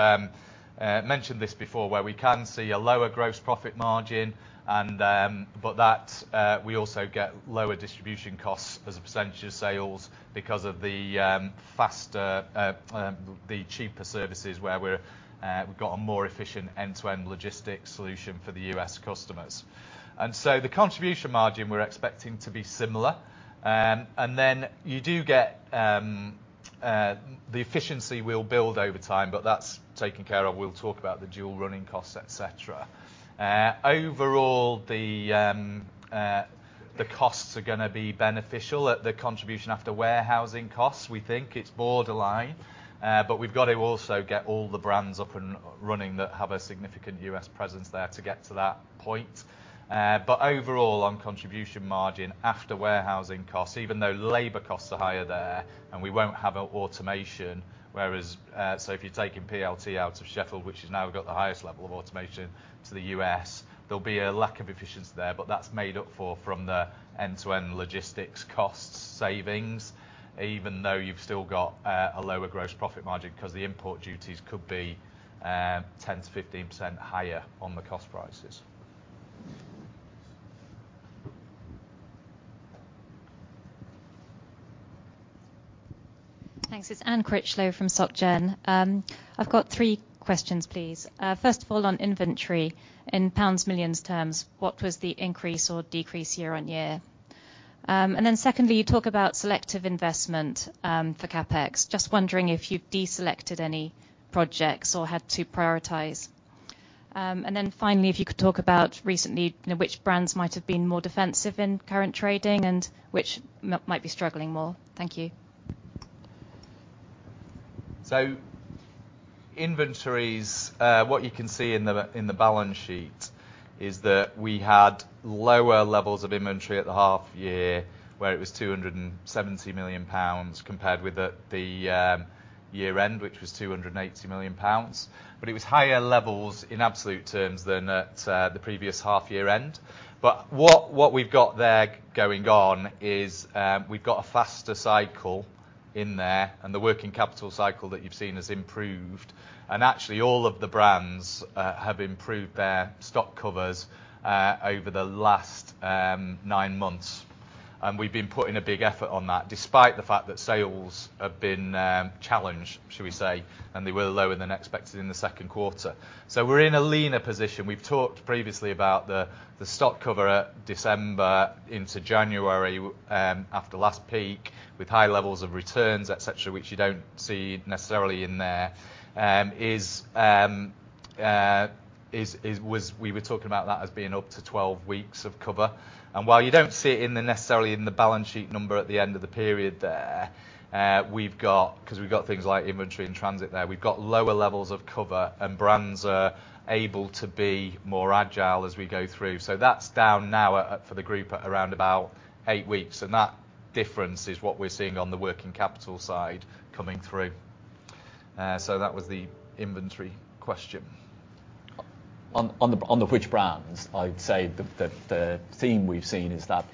mentioned this before, where we can see a lower gross profit margin and, but that, we also get lower distribution costs as a percentage of sales because of the faster, the cheaper services where we've got a more efficient end-to-end logistics solution for the U.S. customers. The contribution margin we're expecting to be similar. You do get the efficiency will build over time, but that's taken care of. We'll talk about the dual running costs, et cetera. Overall, the costs are gonna be beneficial at the contribution after warehousing costs. We think it's borderline, but we've got to also get all the brands up and running that have a significant U.S. presence there to get to that point. Overall, on contribution margin after warehousing costs, even though labor costs are higher there and we won't have an automation, whereas, so if you're taking PLT out of Sheffield, which has now got the highest level of automation to the U.S., there'll be a lack of efficiency there, but that's made up for from the end-to-end logistics costs savings, even though you've still got a lower gross profit margin 'cause the import duties could be 10% to 15% higher on the cost prices. Thanks. It's Anne Critchlow from SocGen. I've got three questions, please. First of all, on inventory, in pounds millions terms, what was the increase or decrease year-on-year? Secondly, you talk about selective investment for CapEx. Just wondering if you've deselected any projects or had to prioritize. Finally, if you could talk about recently, you know, which brands might have been more defensive in current trading and which might be struggling more. Thank you. Inventories, what you can see in the balance sheet is that we had lower levels of inventory at the half year where it was 270 million pounds compared with the year end, which was 280 million pounds. It was higher levels in absolute terms than at the previous half year end. What we've got there going on is we've got a faster cycle in there, and the working capital cycle that you've seen has improved. Actually all of the brands have improved their stock covers over the last nine months. We've been putting a big effort on that despite the fact that sales have been challenged, should we say, and they were lower than expected in the second quarter. We're in a leaner position. We've talked previously about the stock cover at December into January, after last peak with high levels of returns, et cetera, which you don't see necessarily in there. We were talking about that as being up to 12 weeks of cover. While you don't see it necessarily in the balance sheet number at the end of the period there, we've got 'cause we've got things like inventory in transit there. We've got lower levels of cover and brands are able to be more agile as we go through. That's down now at, for the group at around about eight weeks. That difference is what we're seeing on the working capital side coming through. That was the inventory question. On which brands, I'd say the theme we've seen is that,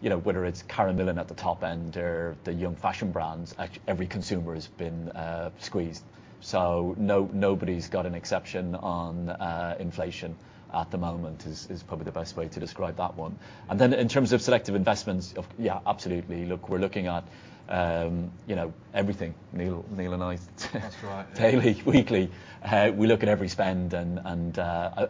you know, whether it's Karen Millen at the top end or the young fashion brands, every consumer has been squeezed. Nobody's got an exception on inflation at the moment is probably the best way to describe that one. Then in terms of selective investments, yeah, absolutely. Look, we're looking at, you know, everything. Neil and I - That's right. Daily, weekly. We look at every spend and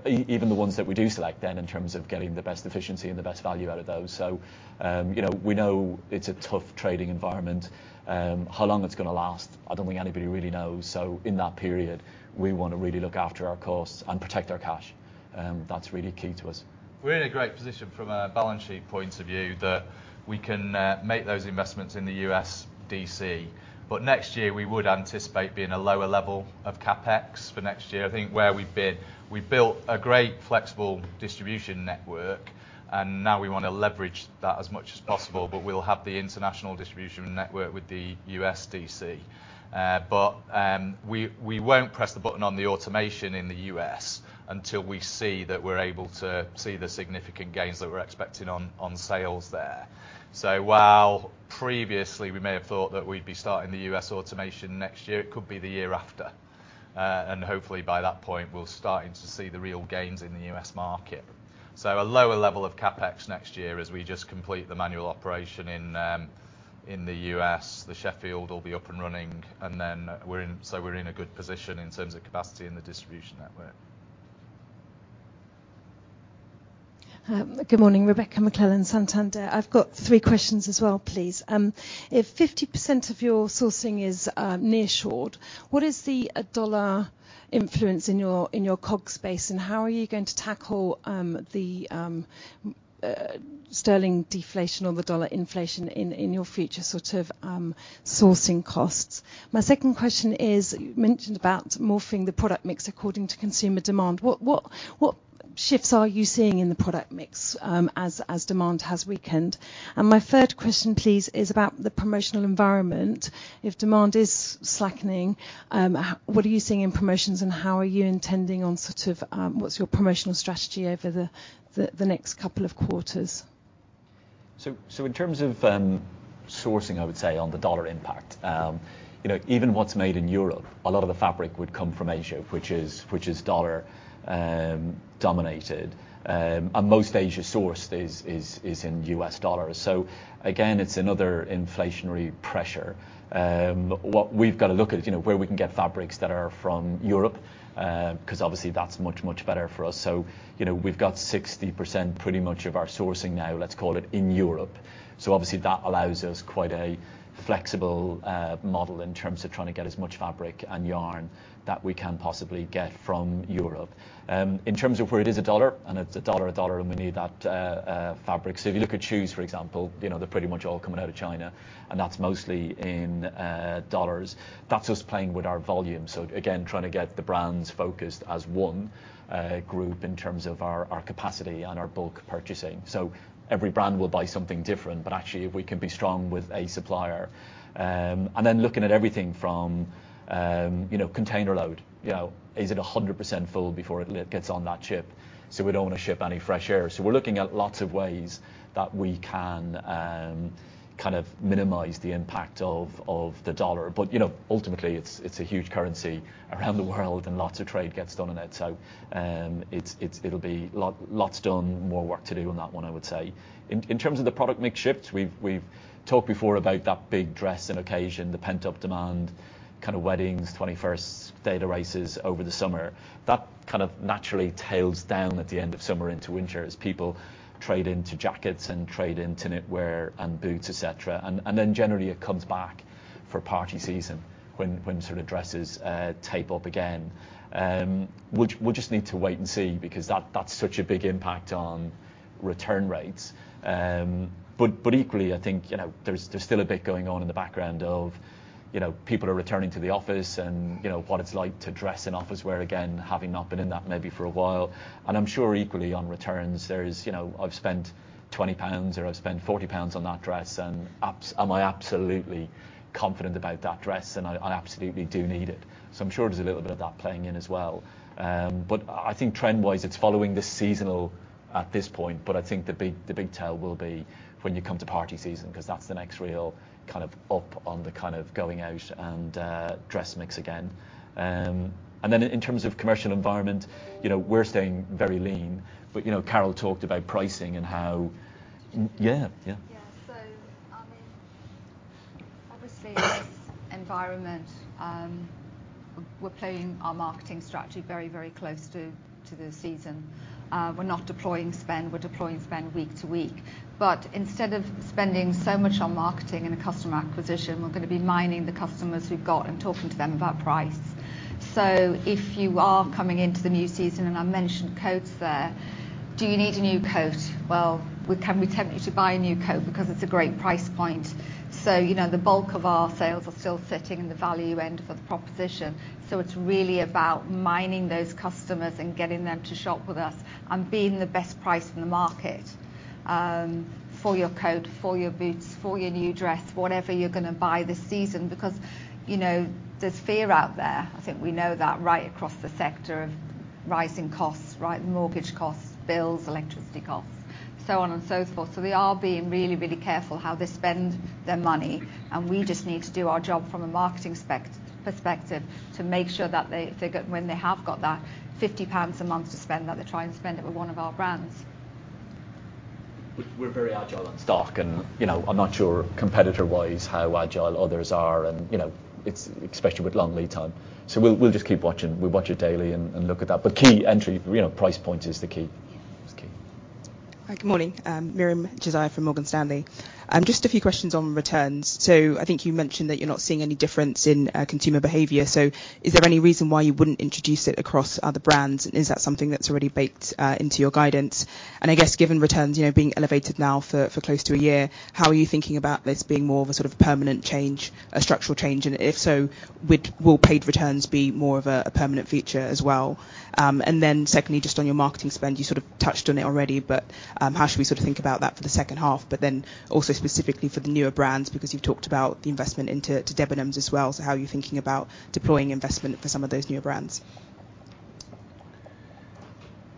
even the ones that we do select then in terms of getting the best efficiency and the best value out of those. You know, we know it's a tough trading environment. How long it's gonna last, I don't think anybody really knows. In that period, we wanna really look after our costs and protect our cash. That's really key to us. We're in a great position from a balance sheet point of view that we can make those investments in the U.S. DC. Next year we would anticipate being a lower level of CapEx for next year. I think where we've been, we've built a great flexible distribution network, and now we wanna leverage that as much as possible. We'll have the international distribution network with the U.S. DC. We won't press the button on the automation in the U.S. until we see that we're able to see the significant gains that we're expecting on sales there. While previously we may have thought that we'd be starting the U.S. automation next year, it could be the year after. Hopefully by that point we're starting to see the real gains in the U.S. market. A lower level of CapEx next year as we just complete the manual operation in the U.S., the Sheffield will be up and running, and then we're in a good position in terms of capacity in the distribution network. Good morning. Rebecca McClellan, Santander. I've got three questions as well, please. If 50% of your sourcing is nearshored, what is the dollar influence in your COGS space, and how are you going to tackle the sterling deflation or the dollar inflation in your future sort of sourcing costs? My second question is, you mentioned about morphing the product mix according to consumer demand. What shifts are you seeing in the product mix as demand has weakened? My third question, please, is about the promotional environment. If demand is slackening, what are you seeing in promotions and how are you intending on sort of what's your promotional strategy over the next couple of quarters? In terms of sourcing, I would say on the dollar impact, you know, even what's made in Europe, a lot of the fabric would come from Asia, which is dollar-dominated. And most Asia sourced is in U.S. dollars. Again, it's another inflationary pressure. What we've got to look at, you know, where we can get fabrics that are from Europe, 'cause obviously that's much better for us. You know, we've got 60% pretty much of our sourcing now, let's call it, in Europe. Obviously that allows us quite a flexible model in terms of trying to get as much fabric and yarn that we can possibly get from Europe. In terms of where it is a dollar, and we need that fabric. If you look at shoes, for example, you know, they're pretty much all coming out of China, and that's mostly in dollars. That's us playing with our volume. Again, trying to get the brands focused as one group in terms of our capacity and our bulk purchasing. Every brand will buy something different, but actually if we can be strong with a supplier. And then looking at everything from, you know, container load. You know, is it 100% full before it gets on that ship? We don't wanna ship any fresh air. We're looking at lots of ways that we can kind of minimize the impact of the dollar. But, you know, ultimately it's a huge currency around the world and lots of trade gets done on it. It's lots done, more work to do on that one, I would say. In terms of the product mix shifts, we've talked before about that big dress and occasion, the pent-up demand, kind of weddings, 21sts, day at the races over the summer. That kind of naturally tails down at the end of summer into winter as people trade into jackets and trade into knitwear and boots, et cetera. Then generally it comes back for party season when sort of dresses take up again. We'll just need to wait and see because that's such a big impact on return rates. Equally I think, you know, there's still a bit going on in the background of, you know, people are returning to the office and, you know, what it's like to dress in office wear again, having not been in that maybe for a while. I'm sure equally on returns there is, you know, I've spent 20 pounds or I've spent 40 pounds on that dress and am I absolutely confident about that dress and I absolutely do need it. I'm sure there's a little bit of that playing in as well. I think trend-wise it's following the seasonal at this point. I think the big tail will be when you come to party season, 'cause that's the next real kind of up on the kind of going out and dress mix again. In terms of commercial environment, you know, we're staying very lean. You know, Carol talked about pricing and how yeah. Obviously, environment, we're playing our marketing strategy very close to the season. We're not deploying spend, we're deploying spend week to week. Instead of spending so much on marketing and customer acquisition, we're gonna be mining the customers we've got and talking to them about price. If you are coming into the new season, and I mentioned coats there, do you need a new coat? Well, can we tempt you to buy a new coat because it's a great price point. You know, the bulk of our sales are still sitting in the value end of the proposition. It's really about mining those customers and getting them to shop with us and being the best price in the market for your coat, for your boots, for your new dress, whatever you're gonna buy this season because, you know, there's fear out there. I think we know that right across the sector of rising costs, right, mortgage costs, bills, electricity costs, so on and so forth. They are being really, really careful how they spend their money, and we just need to do our job from a marketing perspective to make sure that they, when they have got that 50 pounds a month to spend, that they try and spend it with one of our brands. We're very agile on stock and, you know, I'm not sure competitor-wise how agile others are and, you know, it's especially with long lead time. We'll just keep watching. We watch it daily and look at that. Key entry, you know, price point is the key. It's key. Hi. Good morning. Miriam Josiah from Morgan Stanley. Just a few questions on returns. I think you mentioned that you're not seeing any difference in consumer behavior. Is there any reason why you wouldn't introduce it across other brands? Is that something that's already baked into your guidance? I guess given returns, you know, being elevated now for close to a year, how are you thinking about this being more of a sort of permanent change, a structural change? If so, will paid returns be more of a permanent feature as well? Secondly, just on your marketing spend, you sort of touched on it already, but how should we sort of think about that for the second half? Also, specifically for the newer brands, because you've talked about the investment into Debenhams as well. how are you thinking about deploying investment for some of those newer brands?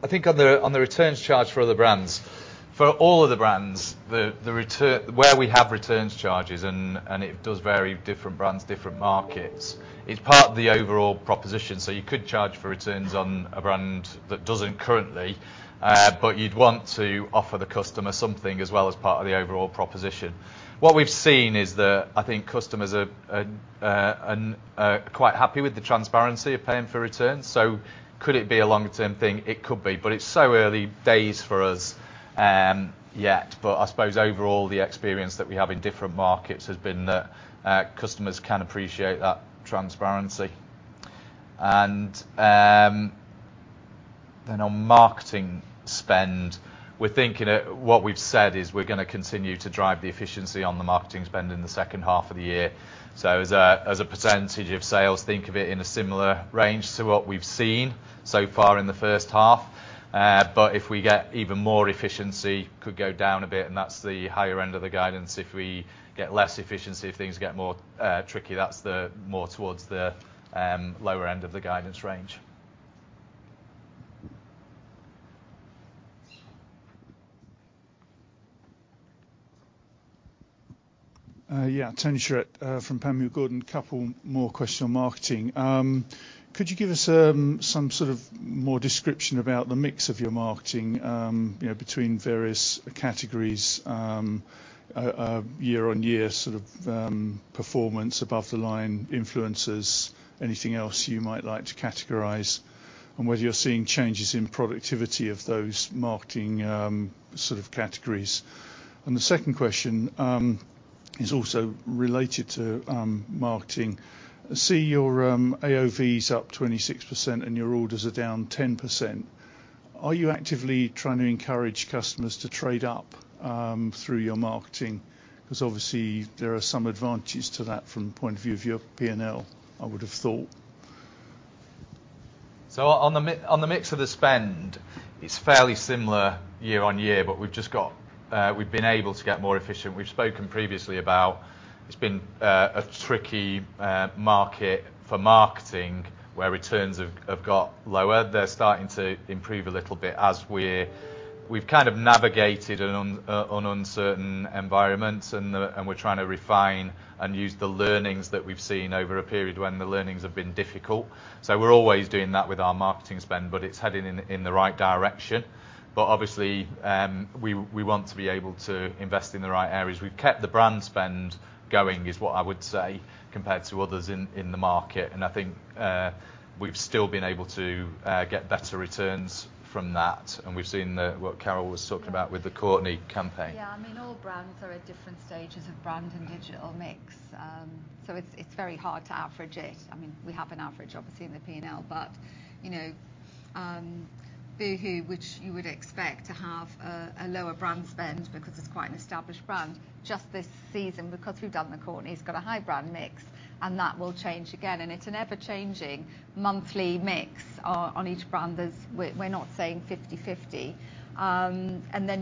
I think on the returns charge for other brands, for all of the brands, the return where we have returns charges and it does vary different brands, different markets. It's part of the overall proposition. You could charge for returns on a brand that doesn't currently, but you'd want to offer the customer something as well as part of the overall proposition. What we've seen is that I think customers are quite happy with the transparency of paying for returns. Could it be a longer term thing? It could be, but it's so early days for us, yet. I suppose overall, the experience that we have in different markets has been that customers can appreciate that transparency. On marketing spend, we're thinking, what we've said is we're gonna continue to drive the efficiency on the marketing spend in the second half of the year. As a percentage of sales, think of it in a similar range to what we've seen so far in the first half. But if we get even more efficiency, could go down a bit, and that's the higher end of the guidance. If we get less efficiency, if things get more tricky, that's more towards the lower end of the guidance range. Yeah. Tony Shiret from Panmure Gordon. A couple more questions on marketing. Could you give us some sort of more description about the mix of your marketing, you know, between various categories, year on year sort of performance above the line influencers, anything else you might like to categorize, and whether you're seeing changes in productivity of those marketing sort of categories? The second question is also related to marketing. I see your AOV is up 26% and your orders are down 10%. Are you actively trying to encourage customers to trade up through your marketing? Because obviously there are some advantages to that from the point of view of your P&L, I would have thought. On the mix of the spend, it's fairly similar year on year, but we've just got we've been able to get more efficient. We've spoken previously about it's been a tricky market for marketing where returns have got lower. They're starting to improve a little bit as we've kind of navigated an uncertain environment and we're trying to refine and use the learnings that we've seen over a period when the learnings have been difficult. We're always doing that with our marketing spend, but it's heading in the right direction. Obviously, we want to be able to invest in the right areas. We've kept the brand spend going is what I would say compared to others in the market. I think we've still been able to get better returns from that. We've seen what Carol was talking about with the Kourtney campaign. Yeah. I mean, all brands are at different stages of brand and digital mix. It's very hard to average it. I mean, we have an average, obviously, in the P&L, but you know boohoo, which you would expect to have a lower brand spend because it's quite an established brand, just this season, because we've done the Kourtney's, got a high brand mix, and that will change again. It's an ever-changing monthly mix on each brand. We're not saying 50-50.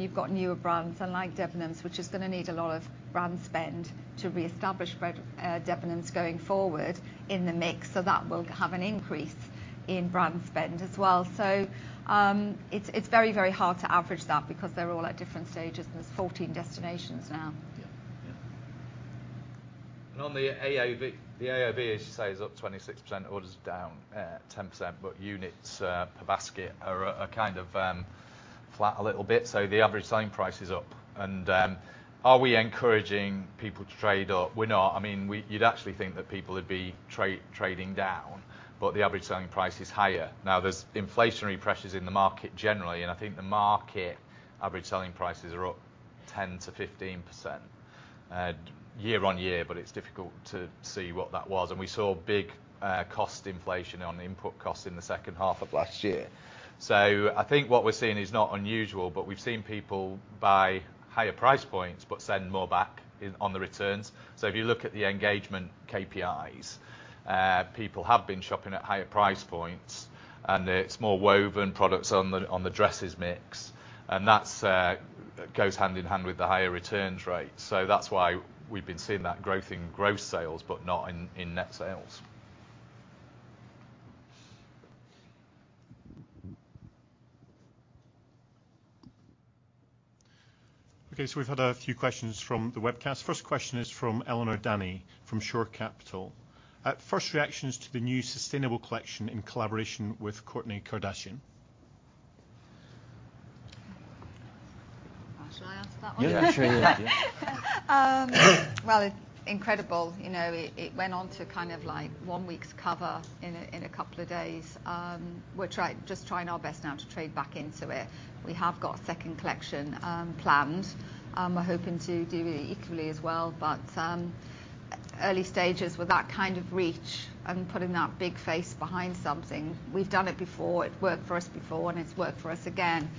You've got newer brands, unlike Debenhams, which is gonna need a lot of brand spend to reestablish Debenhams going forward in the mix. That will have an increase in brand spend as well. It's very hard to average that because they're all at different stages, and there's 14 destinations now. On the AOV, the AOV, as you say, is up 26%, orders are down 10%, but units per basket are kind of flat a little bit, so the average selling price is up. Are we encouraging people to trade up? We're not. I mean, you'd actually think that people would be trading down, but the average selling price is higher. Now, there's inflationary pressures in the market generally, and I think the market average selling prices are up 10%-15% year-on-year, but it's difficult to see what that was. We saw a big cost inflation on the input costs in the second half of last year. I think what we're seeing is not unusual, but we've seen people buy higher price points but send more back in, on the returns. If you look at the engagement KPIs, people have been shopping at higher price points, and it's more woven products on the dresses mix, and that goes hand in hand with the higher returns rate. That's why we've been seeing that growth in gross sales but not in net sales. Okay, we've had a few questions from the webcast. First question is from Eleanor Danny from Shore Capital. First reactions to the new sustainable collection in collaboration with Kourtney Kardashian Barker. Shall I answer that one? Yeah, sure. Well, it's incredible. You know, it went on to kind of like one week's cover in a couple of days. We're just trying our best now to trade back into it. We have got a second collection planned. We're hoping to do equally as well, but early stages with that kind of reach and putting that big face behind something. We've done it before, it worked for us before, and it's worked for us again.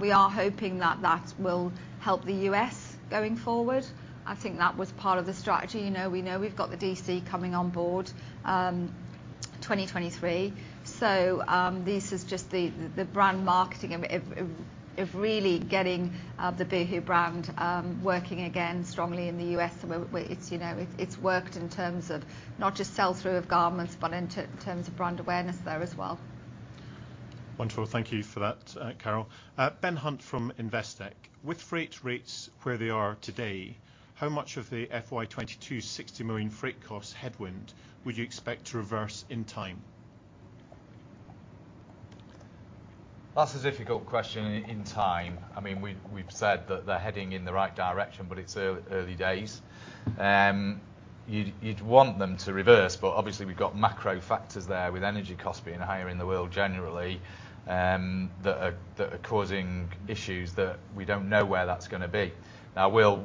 We are hoping that that will help the U.S. going forward. I think that was part of the strategy. You know, we know we've got the D.C. coming on board, 2023. This is just the brand marketing and effort of really getting the boohoo brand working again strongly in the U.S. where it's, you know, it's worked in terms of not just sell-through of garments but in terms of brand awareness there as well. Wonderful. Thank you for that, Carol. Ben Hunt from Investec. With freight rates where they are today, how much of the FY 2022 60 million freight cost headwind would you expect to reverse in time? That's a difficult question in time. I mean, we've said that they're heading in the right direction, but it's early days. You'd want them to reverse, but obviously, we've got macro factors there with energy costs being higher in the world generally, that are causing issues that we don't know where that's gonna be. Now,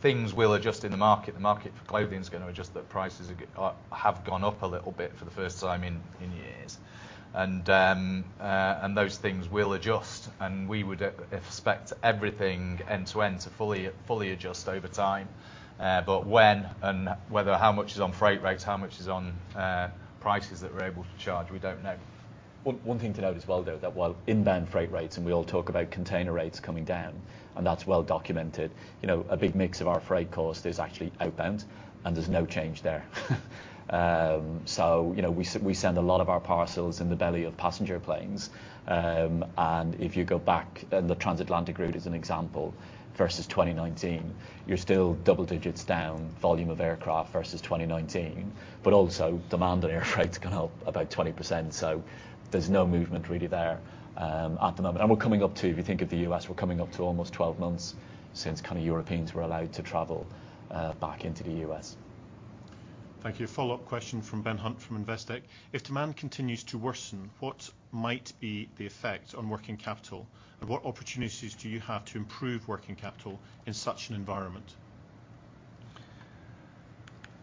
things will adjust in the market. The market for clothing is gonna adjust. The prices have gone up a little bit for the first time in years. those things will adjust, and we would expect everything end to end to fully adjust over time. when and whether how much is on freight rates, how much is on prices that we're able to charge, we don't know. One thing to note as well, though, that while inbound freight rates, and we all talk about container rates coming down, and that's well documented. You know, a big mix of our freight costs is actually outbound, and there's no change there. You know, we send a lot of our parcels in the belly of passenger planes. If you go back, and the transatlantic route is an example, versus 2019, you're still double digits down volume of aircraft versus 2019. But also demand on air freight's gone up about 20%, so there's no movement really there at the moment. We're coming up to, if you think of the U.S., we're coming up to almost 12 months since kind of Europeans were allowed to travel back into the U.S. Thank you. Follow-up question from Ben Hunt from Investec. If demand continues to worsen, what might be the effect on working capital? And what opportunities do you have to improve working capital in such an environment?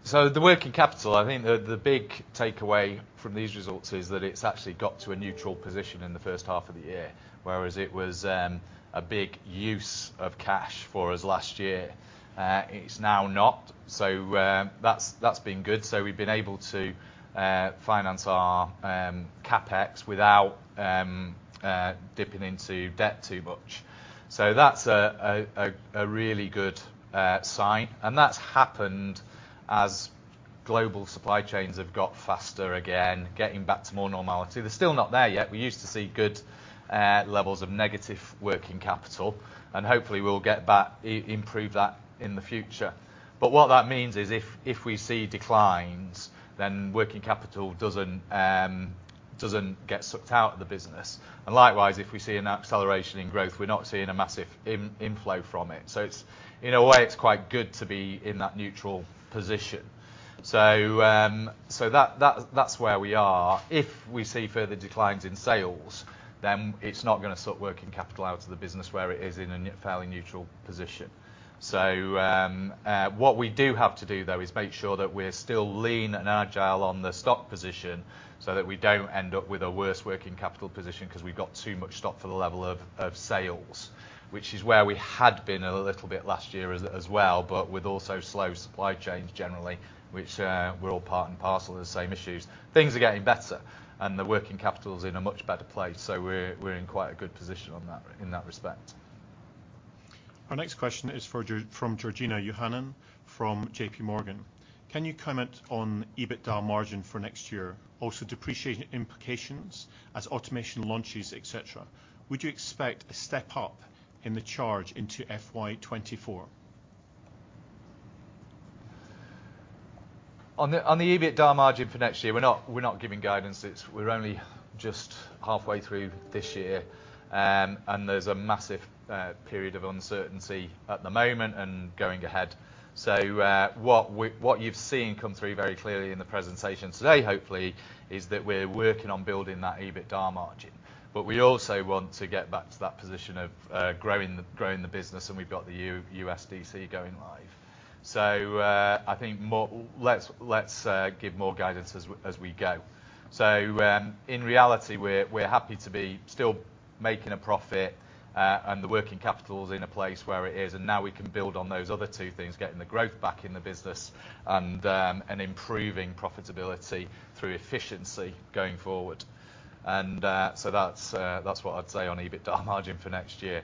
The working capital, I think the big takeaway from these results is that it's actually got to a neutral position in the first half of the year. Whereas it was a big use of cash for us last year, it's now not. That's been good. We've been able to finance our CapEx without dipping into debt too much. That's a really good sign, and that's happened as global supply chains have got faster again, getting back to more normality. They're still not there yet. We used to see good levels of negative working capital, and hopefully, we'll get that, improve that in the future. What that means is if we see declines, then working capital doesn't get sucked out of the business. Likewise, if we see an acceleration in growth, we're not seeing a massive inflow from it. It's, in a way, quite good to be in that neutral position. That's where we are. If we see further declines in sales, it's not gonna suck working capital out of the business where it is in a fairly neutral position. What we do have to do, though, is make sure that we're still lean and agile on the stock position, so that we don't end up with a worse working capital position 'cause we've got too much stock for the level of sales, which is where we had been a little bit last year as well, but with also slow supply chains generally, which were all part and parcel of the same issues. Things are getting better, and the working capital's in a much better place. We're in quite a good position on that, in that respect. Our next question is for Georgina Johanan from JP Morgan. Can you comment on EBITDA margin for next year? Also depreciation implications as automation launches, et cetera. Would you expect a step up in the charge into FY 2024? On the EBITDA margin for next year, we're not giving guidance. We're only just halfway through this year, and there's a massive period of uncertainty at the moment and going ahead. What you've seen come through very clearly in the presentation today, hopefully, is that we're working on building that EBITDA margin. We also want to get back to that position of growing the business, and we've got the USDC going live. I think more, let's give more guidance as we go. In reality, we're happy to be still making a profit, and the working capital is in a place where it is, and now we can build on those other two things, getting the growth back in the business and improving profitability through efficiency going forward. That's what I'd say on EBITDA margin for next year.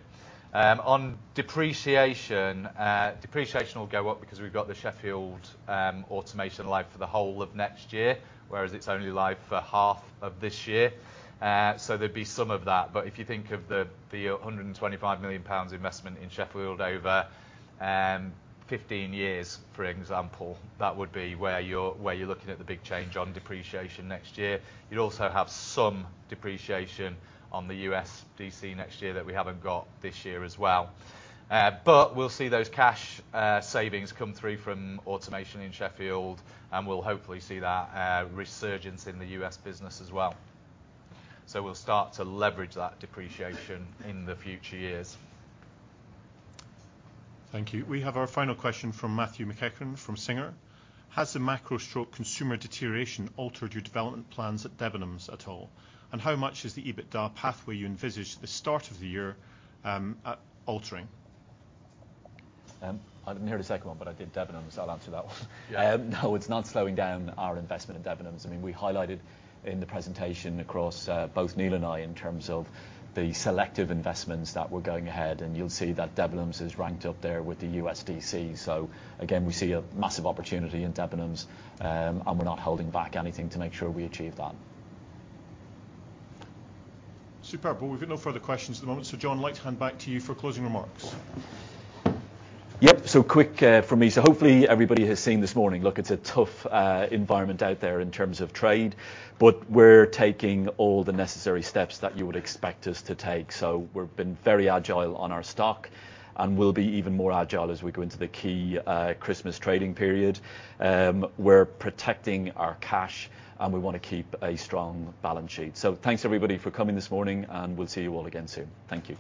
On depreciation will go up because we've got the Sheffield automation live for the whole of next year, whereas it's only live for half of this year. There'd be some of that, but if you think of the 125 million pounds investment in Sheffield over 15 years, for example, that would be where you're looking at the big change on depreciation next year. You'd also have some depreciation on the USDC next year that we haven't got this year as well. But we'll see those cash savings come through from automation in Sheffield, and we'll hopefully see that resurgence in the US business as well. We'll start to leverage that depreciation in the future years. Thank you. We have our final question from Matthew McEachran from Singer Capital Markets. Has the macro-struck consumer deterioration altered your development plans at Debenhams at all? How much is the EBITDA pathway you envisaged at the start of the year altering? I didn't hear the second one, but I did Debenhams, so I'll answer that one. Yeah. No, it's not slowing down our investment in Debenhams. I mean, we highlighted in the presentation across both Neil and I, in terms of the selective investments that were going ahead, and you'll see that Debenhams is ranked up there with the USDC. Again, we see a massive opportunity in Debenhams, and we're not holding back anything to make sure we achieve that. Superb. Well, we've got no further questions at the moment. John, I'd like to hand back to you for closing remarks. Yep. Quick from me. Hopefully everybody has seen this morning, look, it's a tough environment out there in terms of trade, but we're taking all the necessary steps that you would expect us to take. We've been very agile on our stock and we'll be even more agile as we go into the key Christmas trading period. We're protecting our cash, and we wanna keep a strong balance sheet. Thanks everybody for coming this morning, and we'll see you all again soon. Thank you.